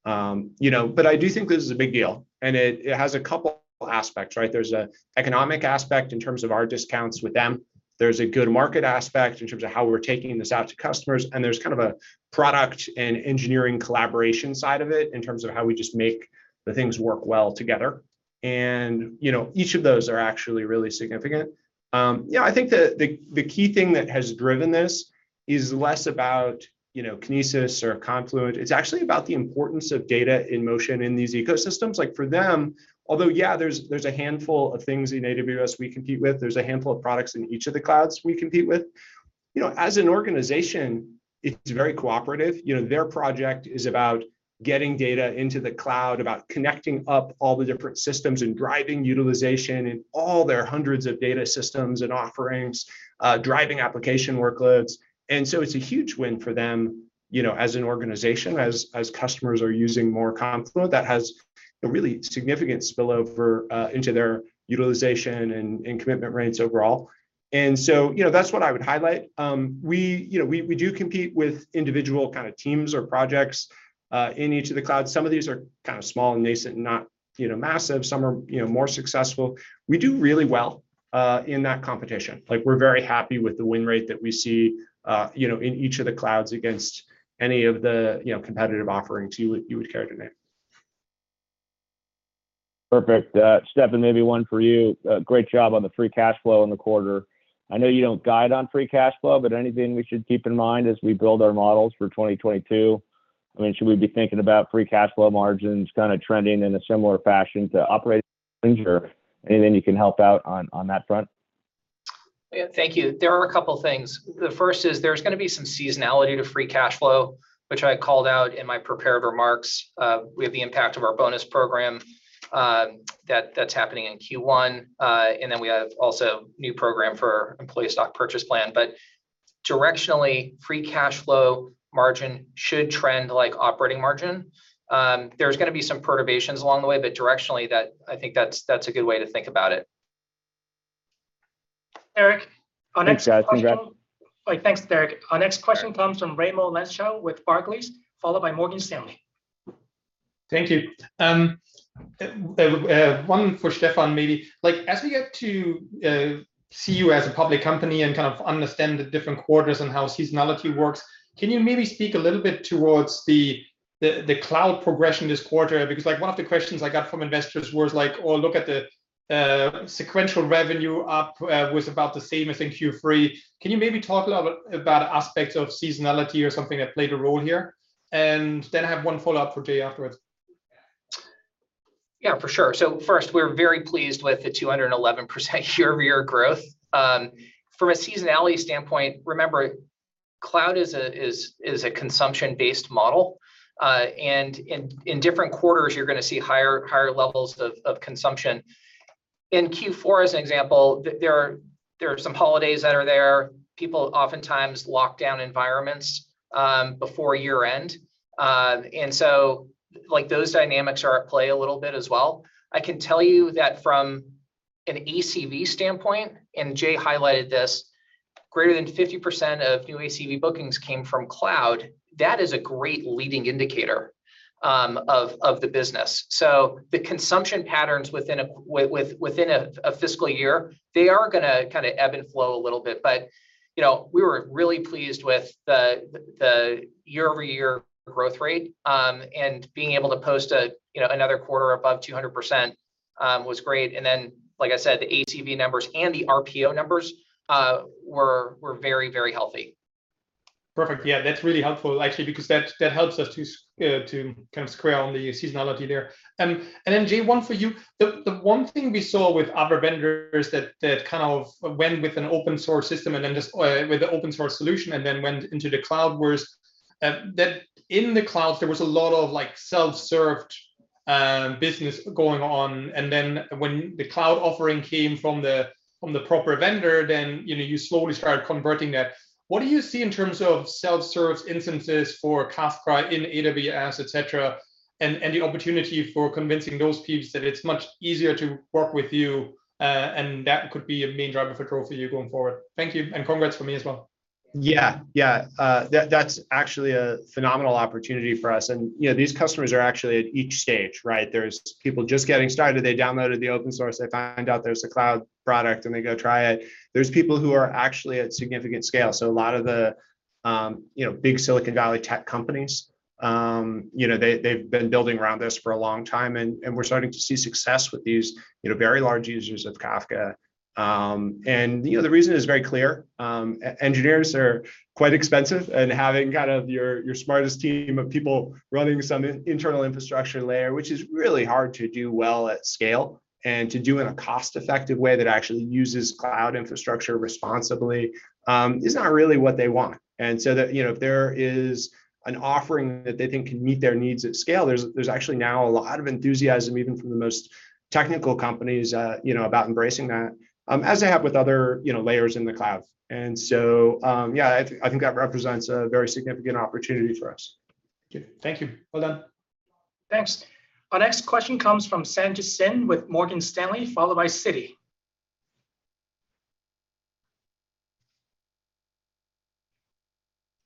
S2: I do think this is a big deal, and it has a couple aspects, right? There's an economic aspect in terms of our discounts with them. There's a go-to-market aspect in terms of how we're taking this out to customers, and there's kind of a product and engineering collaboration side of it in terms of how we just make the things work well together. You know, each of those are actually really significant. I think the key thing that has driven this is less about, you know, Kinesis or Confluent. It's actually about the importance of data in motion in these ecosystems. Like, for them, although, yeah, there's a handful of things in AWS we compete with, there's a handful of products in each of the clouds we compete with. You know, as an organization, it's very cooperative. You know, their project is about getting data into the cloud, about connecting up all the different systems, and driving utilization in all their hundreds of data systems and offerings, driving application workloads. It's a huge win for them, you know, as an organization, as customers are using more Confluent that has a really significant spillover into their utilization and commitment rates overall. You know, that's what I would highlight. We, you know, do compete with individual kind of teams or projects in each of the clouds. Some of these are kind of small and nascent and not, you know, massive. Some are, you know, more successful. We do really well in that competition. Like, we're very happy with the win rate that we see, you know, in each of the clouds against any of the, you know, competitive offerings you would care to name.
S7: Perfect. Steffan, maybe one for you. Great job on the free cash flow in the quarter. I know you don't guide on free cash flow, but anything we should keep in mind as we build our models for 2022? I mean, should we be thinking about free cash flow margins kind of trending in a similar fashion to operating margin? Anything you can help out on that front?
S3: Yeah. Thank you. There are a couple things. The first is there's gonna be some seasonality to free cash flow, which I called out in my prepared remarks. We have the impact of our bonus program, that's happening in Q1. Then we have also new program for employee stock purchase plan. Directionally, free cash flow margin should trend like operating margin. There's gonna be some perturbations along the way, but directionally, that I think that's a good way to think about it.
S1: Derrick, our next question
S7: Thanks, guys. Congrats.
S1: All right. Thanks, Derrick.
S7: Sure.
S1: Our next question comes from Raimo Lenschow with Barclays, followed by Morgan Stanley.
S8: Thank you. One for Steffan, maybe. Like, as we get to see you as a public company and kind of understand the different quarters and how seasonality works, can you maybe speak a little bit towards the cloud progression this quarter? Because, like, one of the questions I got from investors was like, "Oh, look at the sequential revenue up was about the same as in Q3." Can you maybe talk a little bit about aspects of seasonality or something that played a role here? Then I have one follow-up for Jay afterwards.
S3: Yeah, for sure. First, we're very pleased with the 211% year-over-year growth. From a seasonality standpoint, remember, cloud is a consumption-based model. In different quarters, you're gonna see higher levels of consumption. In Q4 as an example, there are some holidays that are there. People oftentimes lock down environments before year-end. Like those dynamics are at play a little bit as well. I can tell you that from an ACV standpoint, and Jay highlighted this, greater than 50% of new ACV bookings came from cloud. That is a great leading indicator of the business. The consumption patterns within a fiscal year, they are gonna kinda ebb and flow a little bit. you know, we were really pleased with the year-over-year growth rate, and being able to post another quarter above 200% was great. like I said, the ACV numbers and the RPO numbers were very healthy.
S8: Perfect. Yeah. That's really helpful actually because that helps us to kind of square on the seasonality there. Jay, one for you. The one thing we saw with other vendors that kind of went with an open source solution and then went into the cloud was that in the cloud there was a lot of like self-serve business going on. When the cloud offering came from the proper vendor, you know, you slowly started converting that. What do you see in terms of self-serve instances for Kafka in AWS, et cetera, and the opportunity for convincing those peeps that it's much easier to work with you, and that could be a main driver for growth for you going forward? Thank you, and congrats from me as well.
S2: That's actually a phenomenal opportunity for us, and you know, these customers are actually at each stage, right? There's people just getting started, they downloaded the open source, they find out there's a cloud product and they go try it. There's people who are actually at significant scale. A lot of the you know, big Silicon Valley tech companies, you know, they've been building around this for a long time, and we're starting to see success with these, you know, very large users of Kafka. You know, the reason is very clear. Engineers are quite expensive, and having kind of your smartest team of people running some internal infrastructure layer, which is really hard to do well at scale, and to do in a cost-effective way that actually uses cloud infrastructure responsibly, is not really what they want. You know, if there is an offering that they think can meet their needs at scale, there's actually now a lot of enthusiasm even from the most technical companies, you know, about embracing that, as they have with other, you know, layers in the cloud. Yeah, I think that represents a very significant opportunity for us.
S8: Okay. Thank you. Well done.
S1: Thanks. Our next question comes from Sanjit Singh with Morgan Stanley, followed by Citi.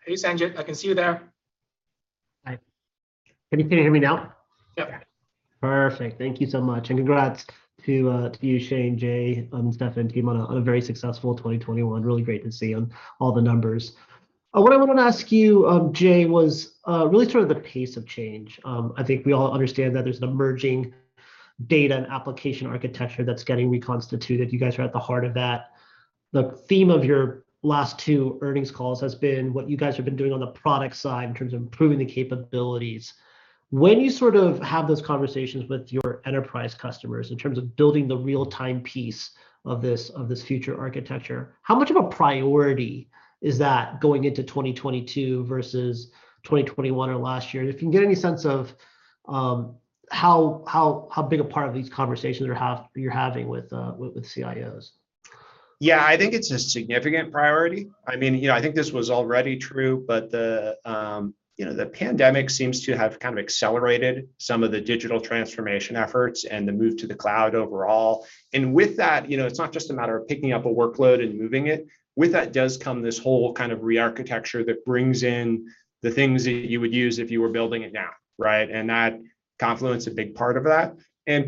S1: Hey, Sanjit. I can see you there.
S9: Hi. Can you hear me now?
S1: Yep.
S9: Perfect. Thank you so much, and congrats to you, Shane, Jay, Steffan, team, on a very successful 2021. Really great to see all the numbers. What I wanted to ask you, Jay, was really sort of the pace of change. I think we all understand that there's an emerging data and application architecture that's getting reconstituted. You guys are at the heart of that. The theme of your last two earnings calls has been what you guys have been doing on the product side in terms of improving the capabilities. When you sort of have those conversations with your enterprise customers in terms of building the real time piece of this future architecture, how much of a priority is that going into 2022 versus 2021 or last year? If you can get any sense of how big a part of these conversations you're having with CIOs?
S2: Yeah. I think it's a significant priority. I mean, you know, I think this was already true, but the, you know, the pandemic seems to have kind of accelerated some of the digital transformation efforts and the move to the cloud overall. With that, you know, it's not just a matter of picking up a workload and moving it. With that does come this whole kind of rearchitecture that brings in the things that you would use if you were building it now, right? That, Confluent's a big part of that.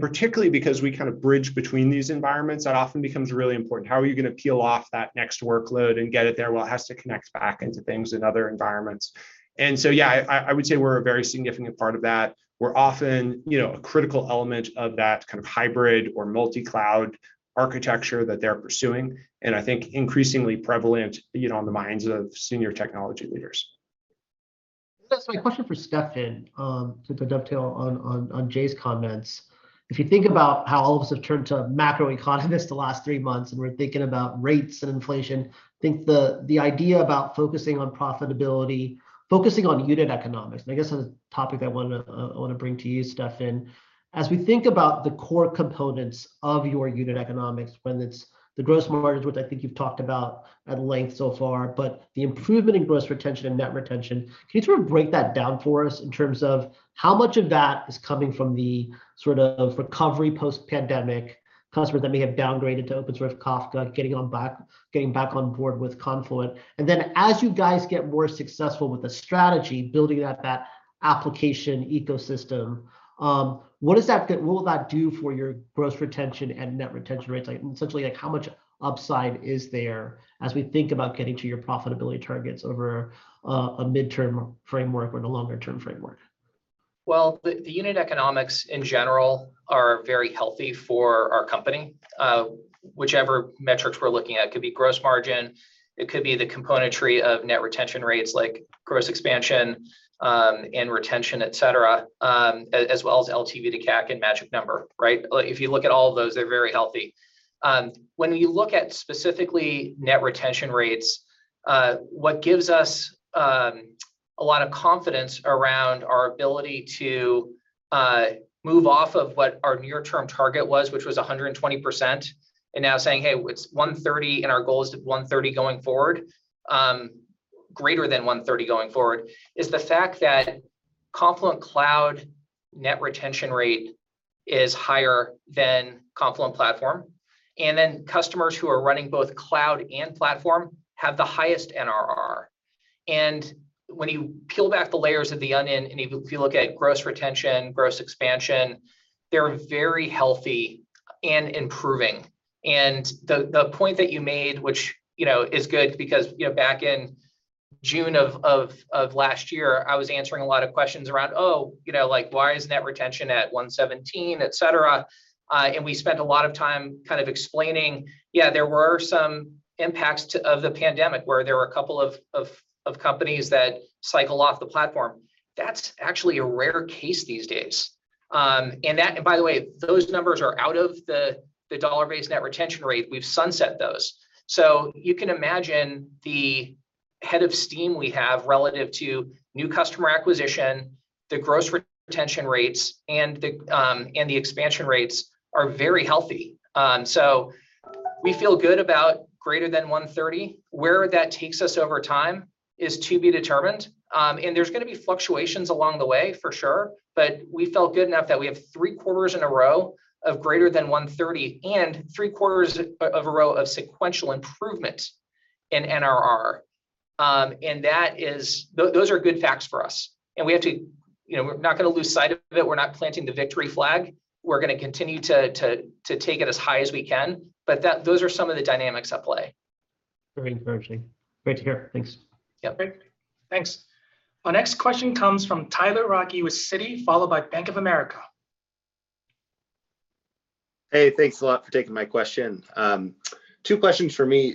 S2: Particularly because we kind of bridge between these environments, that often becomes really important. How are you gonna peel off that next workload and get it there while it has to connect back into things in other environments? Yeah, I would say we're a very significant part of that. We're often, you know, a critical element of that kind of hybrid or multi-cloud architecture that they're pursuing, and I think increasingly prevalent, you know, on the minds of senior technology leaders.
S9: That's my question for Steffan, to dovetail on Jay's comments. If you think about how all of us have turned to macroeconomists the last three months, and we're thinking about rates and inflation, I think the idea about focusing on profitability, focusing on unit economics, and I guess that's a topic I wanna bring to you, Steffan. As we think about the core components of your unit economics, whether it's the gross margins, which I think you've talked about at length so far, but the improvement in gross retention and net retention, can you sort of break that down for us in terms of how much of that is coming from the sort of recovery post-pandemic customers that may have downgraded to open source Kafka getting back on board with Confluent? As you guys get more successful with the strategy, building out that application ecosystem, what will that do for your gross retention and net retention rates? Like, essentially, like how much upside is there as we think about getting to your profitability targets over a midterm framework or in a longer term framework?
S3: Well, the unit economics in general are very healthy for our company. Whichever metrics we're looking at, could be gross margin, it could be the components of net retention rates like gross expansion, and retention, et cetera, as well as LTV to CAC and magic number, right? Like if you look at all of those, they're very healthy. When you look at specifically net retention rates, what gives us a lot of confidence around our ability to
S2: Move off of what our near-term target was, which was 120% and now saying, "Hey, it's 130%, and our goal is to 130% going forward," greater than 130% going forward, is the fact that Confluent Cloud net retention rate is higher than Confluent Platform. Customers who are running both cloud and platform have the highest NRR. When you peel back the layers of the onion, if you look at gross retention, gross expansion, they're very healthy and improving. The point that you made, which, you know, is good because, you know, back in June of last year, I was answering a lot of questions around, you know, like, why is net retention at 117%, etc. We spent a lot of time kind of explaining, yeah, there were some impacts of the pandemic where there were a couple of companies that cycle off the platform. That's actually a rare case these days. By the way, those numbers are out of the dollar-based net retention rate. We've sunset those. You can imagine the head of steam we have relative to new customer acquisition, the gross retention rates, and the expansion rates are very healthy. We feel good about greater than 130%. Where that takes us over time is to be determined, and there's gonna be fluctuations along the way, for sure, but we felt good enough that we have three quarters in a row of greater than 130% and three quarters of a row of sequential improvement in NRR. And that is those are good facts for us. We have to you know, we're not gonna lose sight of it. We're not planting the victory flag. We're gonna continue to take it as high as we can, but that those are some of the dynamics at play.
S9: Very encouraging. Great to hear. Thanks.
S2: Yep.
S1: Great. Thanks. Our next question comes from Tyler Radke with Citi, followed by Bank of America.
S10: Hey, thanks a lot for taking my question. Two questions from me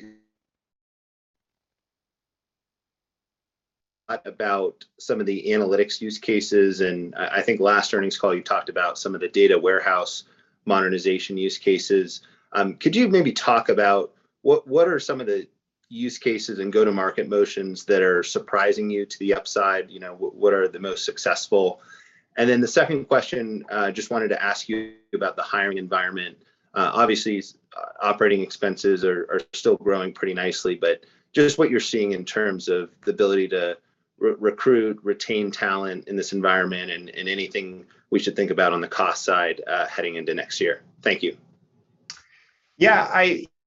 S10: about some of the analytics use cases, and I think last earnings call you talked about some of the data warehouse modernization use cases. Could you maybe talk about what are some of the use cases and go-to-market motions that are surprising you to the upside? You know, what are the most successful? Then the second question, I just wanted to ask you about the hiring environment. Obviously operating expenses are still growing pretty nicely, but just what you're seeing in terms of the ability to recruit, retain talent in this environment and anything we should think about on the cost side, heading into next year. Thank you.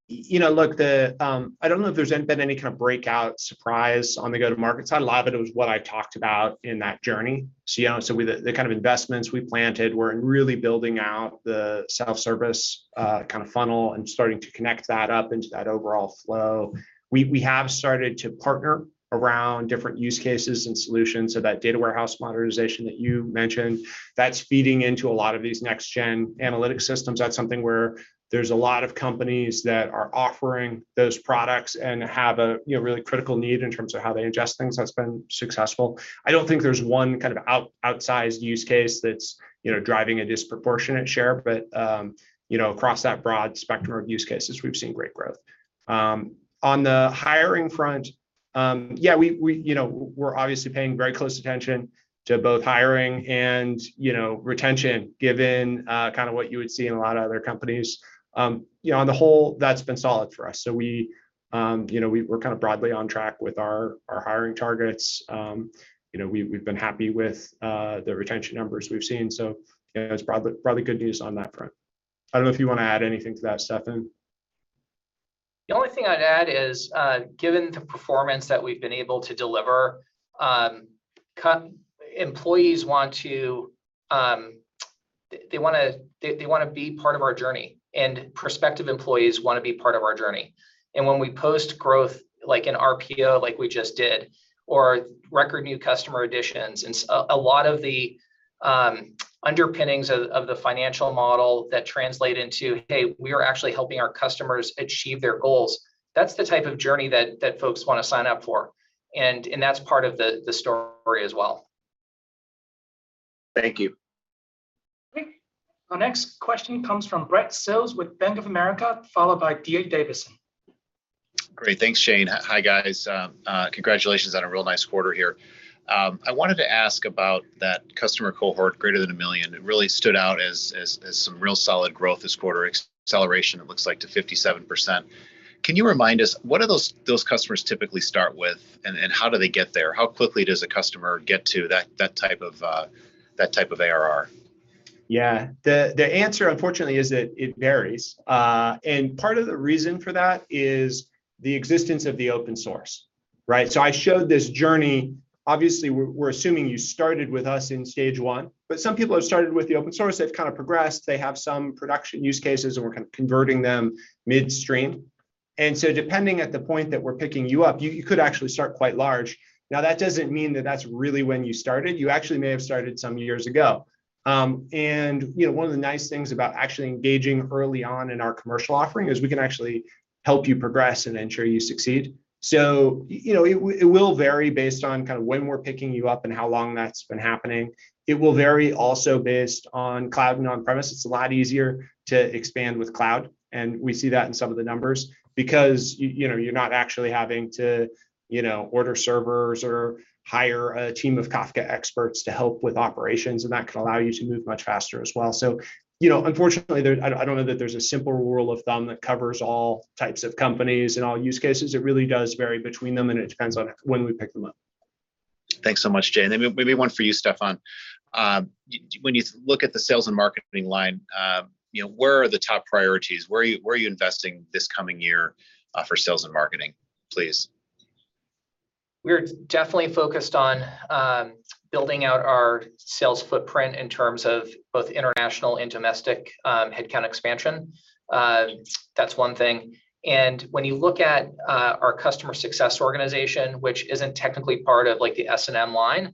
S2: You know, look, I don't know if there's been any kind of breakout surprise on the go-to-market side. A lot of it was what I talked about in that journey. You know, with the kind of investments we planted, we're really building out the self-service kind of funnel and starting to connect that up into that overall flow. We have started to partner around different use cases and solutions, so that data warehouse modernization that you mentioned, that's feeding into a lot of these next-gen analytic systems. That's something where there's a lot of companies that are offering those products and have a you know, really critical need in terms of how they ingest things that's been successful. I don't think there's one kind of outsized use case that's you know, driving a disproportionate share. You know, across that broad spectrum of use cases, we've seen great growth. On the hiring front, yeah, we you know, we're obviously paying very close attention to both hiring and, you know, retention given kind of what you would see in a lot of other companies. You know, on the whole, that's been solid for us. We you know, we're kind of broadly on track with our hiring targets. You know, we've been happy with the retention numbers we've seen. You know, it's probably good news on that front. I don't know if you want to add anything to that, Steffan.
S3: The only thing I'd add is, given the performance that we've been able to deliver, employees want to, they wanna be part of our journey, and prospective employees wanna be part of our journey. When we post growth, like an RPO like we just did, or record new customer additions, a lot of the underpinnings of the financial model that translate into, "Hey, we are actually helping our customers achieve their goals," that's the type of journey that folks wanna sign up for. That's part of the story as well.
S10: Thank you.
S1: Okay. Our next question comes from Brad Sills with Bank of America, followed by D.A. Davidson.
S11: Great. Thanks, Shane. Hi, guys. Congratulations on a real nice quarter here. I wanted to ask about that customer cohort greater than $1 million. It really stood out as some real solid growth this quarter, acceleration it looks like to 57%. Can you remind us what those customers typically start with, and how do they get there? How quickly does a customer get to that type of ARR?
S2: Yeah. The answer unfortunately is that it varies. Part of the reason for that is the existence of the open source, right? I showed this journey. Obviously we're assuming you started with us in stage one, but some people have started with the open source. They've kind of progressed. They have some production use cases, and we're kind of converting them midstream. Depending on the point that we're picking you up, you could actually start quite large. Now, that doesn't mean that that's really when you started. You actually may have started some years ago. You know, one of the nice things about actually engaging early on in our commercial offering is we can actually help you progress and ensure you succeed. You know, it will vary based on kind of when we're picking you up and how long that's been happening. It will vary also based on cloud and on-premise. It's a lot easier to expand with cloud, and we see that in some of the numbers because you know, you're not actually having to, you know, order servers or hire a team of Kafka experts to help with operations, and that can allow you to move much faster as well. You know, unfortunately, there I don't know that there's a simple rule of thumb that covers all types of companies and all use cases. It really does vary between them, and it depends on when we pick them up.
S11: Thanks so much, Jay. Maybe one for you, Steffan. When you look at the sales and marketing line, you know, where are the top priorities? Where are you investing this coming year, for sales and marketing, please?
S3: We're definitely focused on building out our sales footprint in terms of both international and domestic headcount expansion. That's one thing. When you look at our customer success organization, which isn't technically part of, like, the S&M line,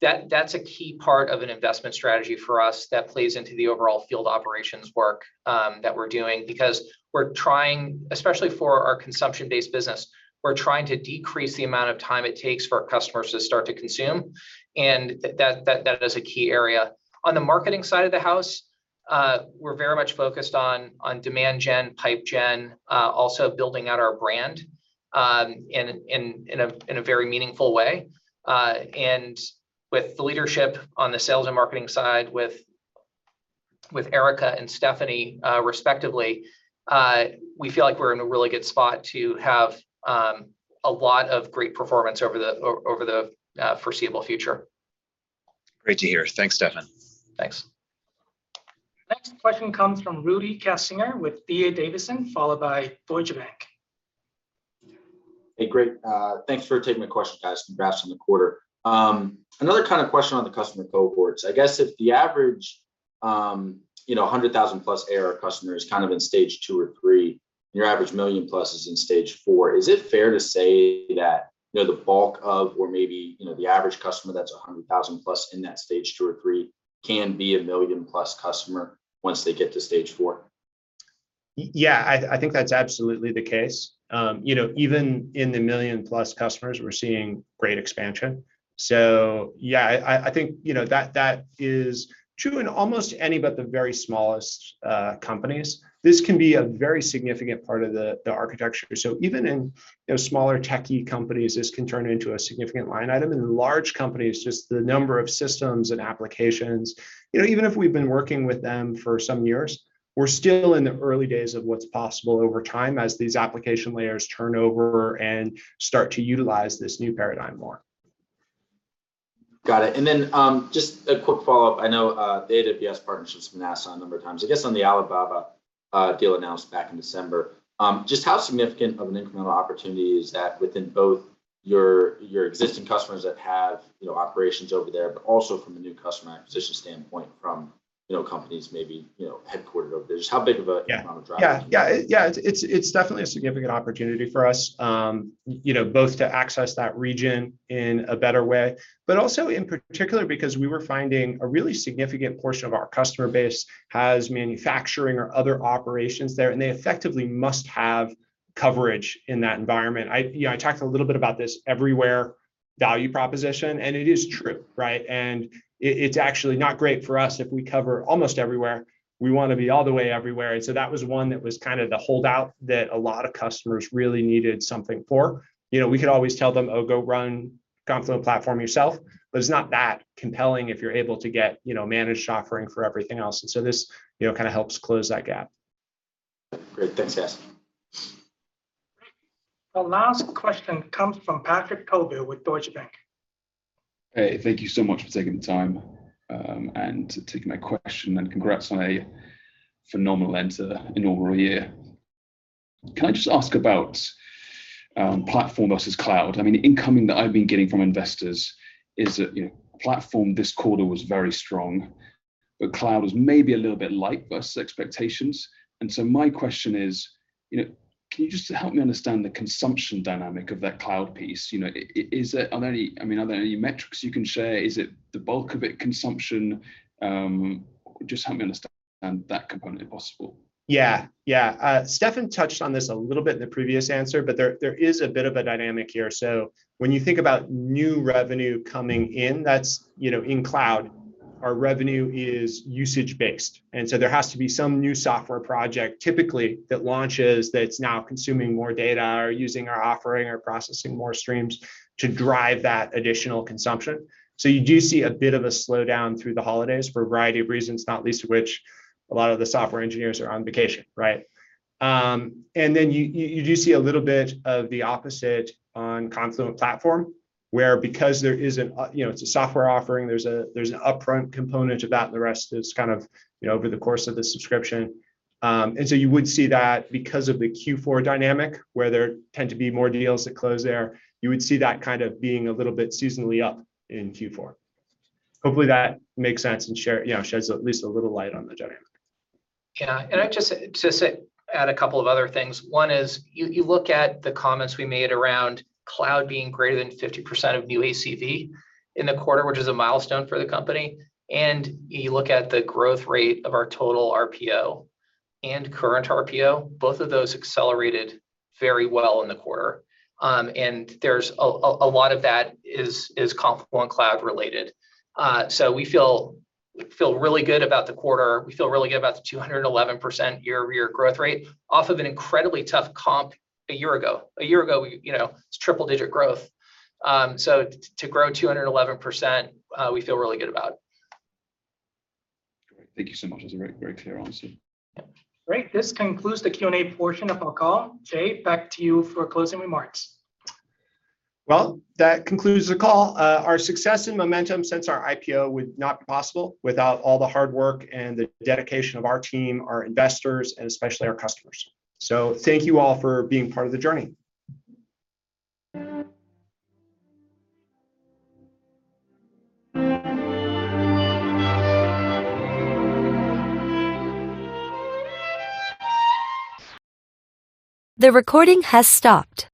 S3: that's a key part of an investment strategy for us that plays into the overall field operations work that we're doing. Because we're trying, especially for our consumption-based business, we're trying to decrease the amount of time it takes for our customers to start to consume, and that is a key area. On the marketing side of the house, we're very much focused on demand gen, pipe gen, also building out our brand in a very meaningful way. With the leadership on the sales and marketing side with Erica and Stephanie, respectively, we feel like we're in a really good spot to have a lot of great performance over the foreseeable future.
S11: Great to hear. Thanks, Steffan.
S3: Thanks.
S1: Next question comes from Rudy Kessinger with D.A. Davidson, followed by Deutsche Bank.
S12: Hey, great. Thanks for taking the question, guys. Congrats on the quarter. Another kind of question on the customer cohorts. I guess if the average, you know, 100,000-plus ARR customer is kind of in stage two or three, and your average 1 million-plus is in stage four, is it fair to say that, you know, the bulk of or maybe, you know, the average customer that's a 100,000-plus in that stage two or three can be a 1 million-plus customer once they get to stage four?
S2: Yeah, I think that's absolutely the case. You know, even in the million-plus customers, we're seeing great expansion. Yeah, I think, you know, that is true in almost any but the very smallest companies. This can be a very significant part of the architecture. Even in, you know, smaller techy companies, this can turn into a significant line item. In large companies, just the number of systems and applications, you know, even if we've been working with them for some years, we're still in the early days of what's possible over time as these application layers turn over and start to utilize this new paradigm more.
S12: Got it. Just a quick follow-up. I know the AWS partnership's been asked on a number of times. I guess on the Alibaba deal announced back in December, just how significant of an incremental opportunity is that within both your existing customers that have you know operations over there, but also from a new customer acquisition standpoint from you know companies maybe you know headquartered over there? Just how big of a
S2: Yeah
S12: Incremental driver is that?
S2: Yeah, it's definitely a significant opportunity for us, you know, both to access that region in a better way, but also in particular because we were finding a really significant portion of our customer base has manufacturing or other operations there, and they effectively must have coverage in that environment. You know, I talked a little bit about this everywhere value proposition, and it is true, right? It's actually not great for us if we cover almost everywhere. We wanna be all the way everywhere. That was one that was kind of the holdout that a lot of customers really needed something for. You know, we could always tell them, "Oh, go run Confluent Platform yourself," but it's not that compelling if you're able to get, you know, managed offering for everything else. This, you know, kind of helps close that gap.
S12: Great. Thanks, guys.
S1: The last question comes from Patrick Colville with Deutsche Bank.
S13: Hey, thank you so much for taking the time and taking my question, and congrats on a phenomenal inaugural year. Can I just ask about Platform versus Cloud? I mean, the incoming that I've been getting from investors is that, you know, Platform this quarter was very strong, but Cloud was maybe a little bit light versus expectations. My question is, you know, can you just help me understand the consumption dynamic of that Cloud piece? You know, are there any metrics you can share? Is it the bulk of it consumption? Just help me understand that component, if possible.
S2: Yeah. Yeah. Steffan touched on this a little bit in the previous answer, but there is a bit of a dynamic here. So when you think about new revenue coming in, that's, you know, in cloud, our revenue is usage-based. And so there has to be some new software project typically that launches that's now consuming more data or using our offering or processing more streams to drive that additional consumption. So you do see a bit of a slowdown through the holidays for a variety of reasons, not least of which a lot of the software engineers are on vacation, right? You do see a little bit of the opposite on Confluent Platform, where because there isn't a, you know, it's a software offering, there's an upfront component of that, and the rest is kind of, you know, over the course of the subscription. You would see that because of the Q4 dynamic, where there tend to be more deals that close there, you would see that kind of being a little bit seasonally up in Q4. Hopefully that makes sense and, you know, sheds at least a little light on the dynamic.
S3: Just to add a couple of other things. One is you look at the comments we made around cloud being greater than 50% of new ACV in the quarter, which is a milestone for the company, and you look at the growth rate of our total RPO and current RPO. Both of those accelerated very well in the quarter. There's a lot of that is Confluent Cloud related. We feel really good about the quarter. We feel really good about the 211% year-over-year growth rate off of an incredibly tough comp a year ago. A year ago, you know, it's triple-digit growth. To grow 211%, we feel really good about.
S13: Great. Thank you so much. That's a very, very clear answer.
S1: Great. This concludes the Q&A portion of our call. Jay, back to you for closing remarks.
S2: Well, that concludes the call. Our success and momentum since our IPO would not be possible without all the hard work and the dedication of our team, our investors, and especially our customers. Thank you all for being part of the journey.
S14: The recording has stopped.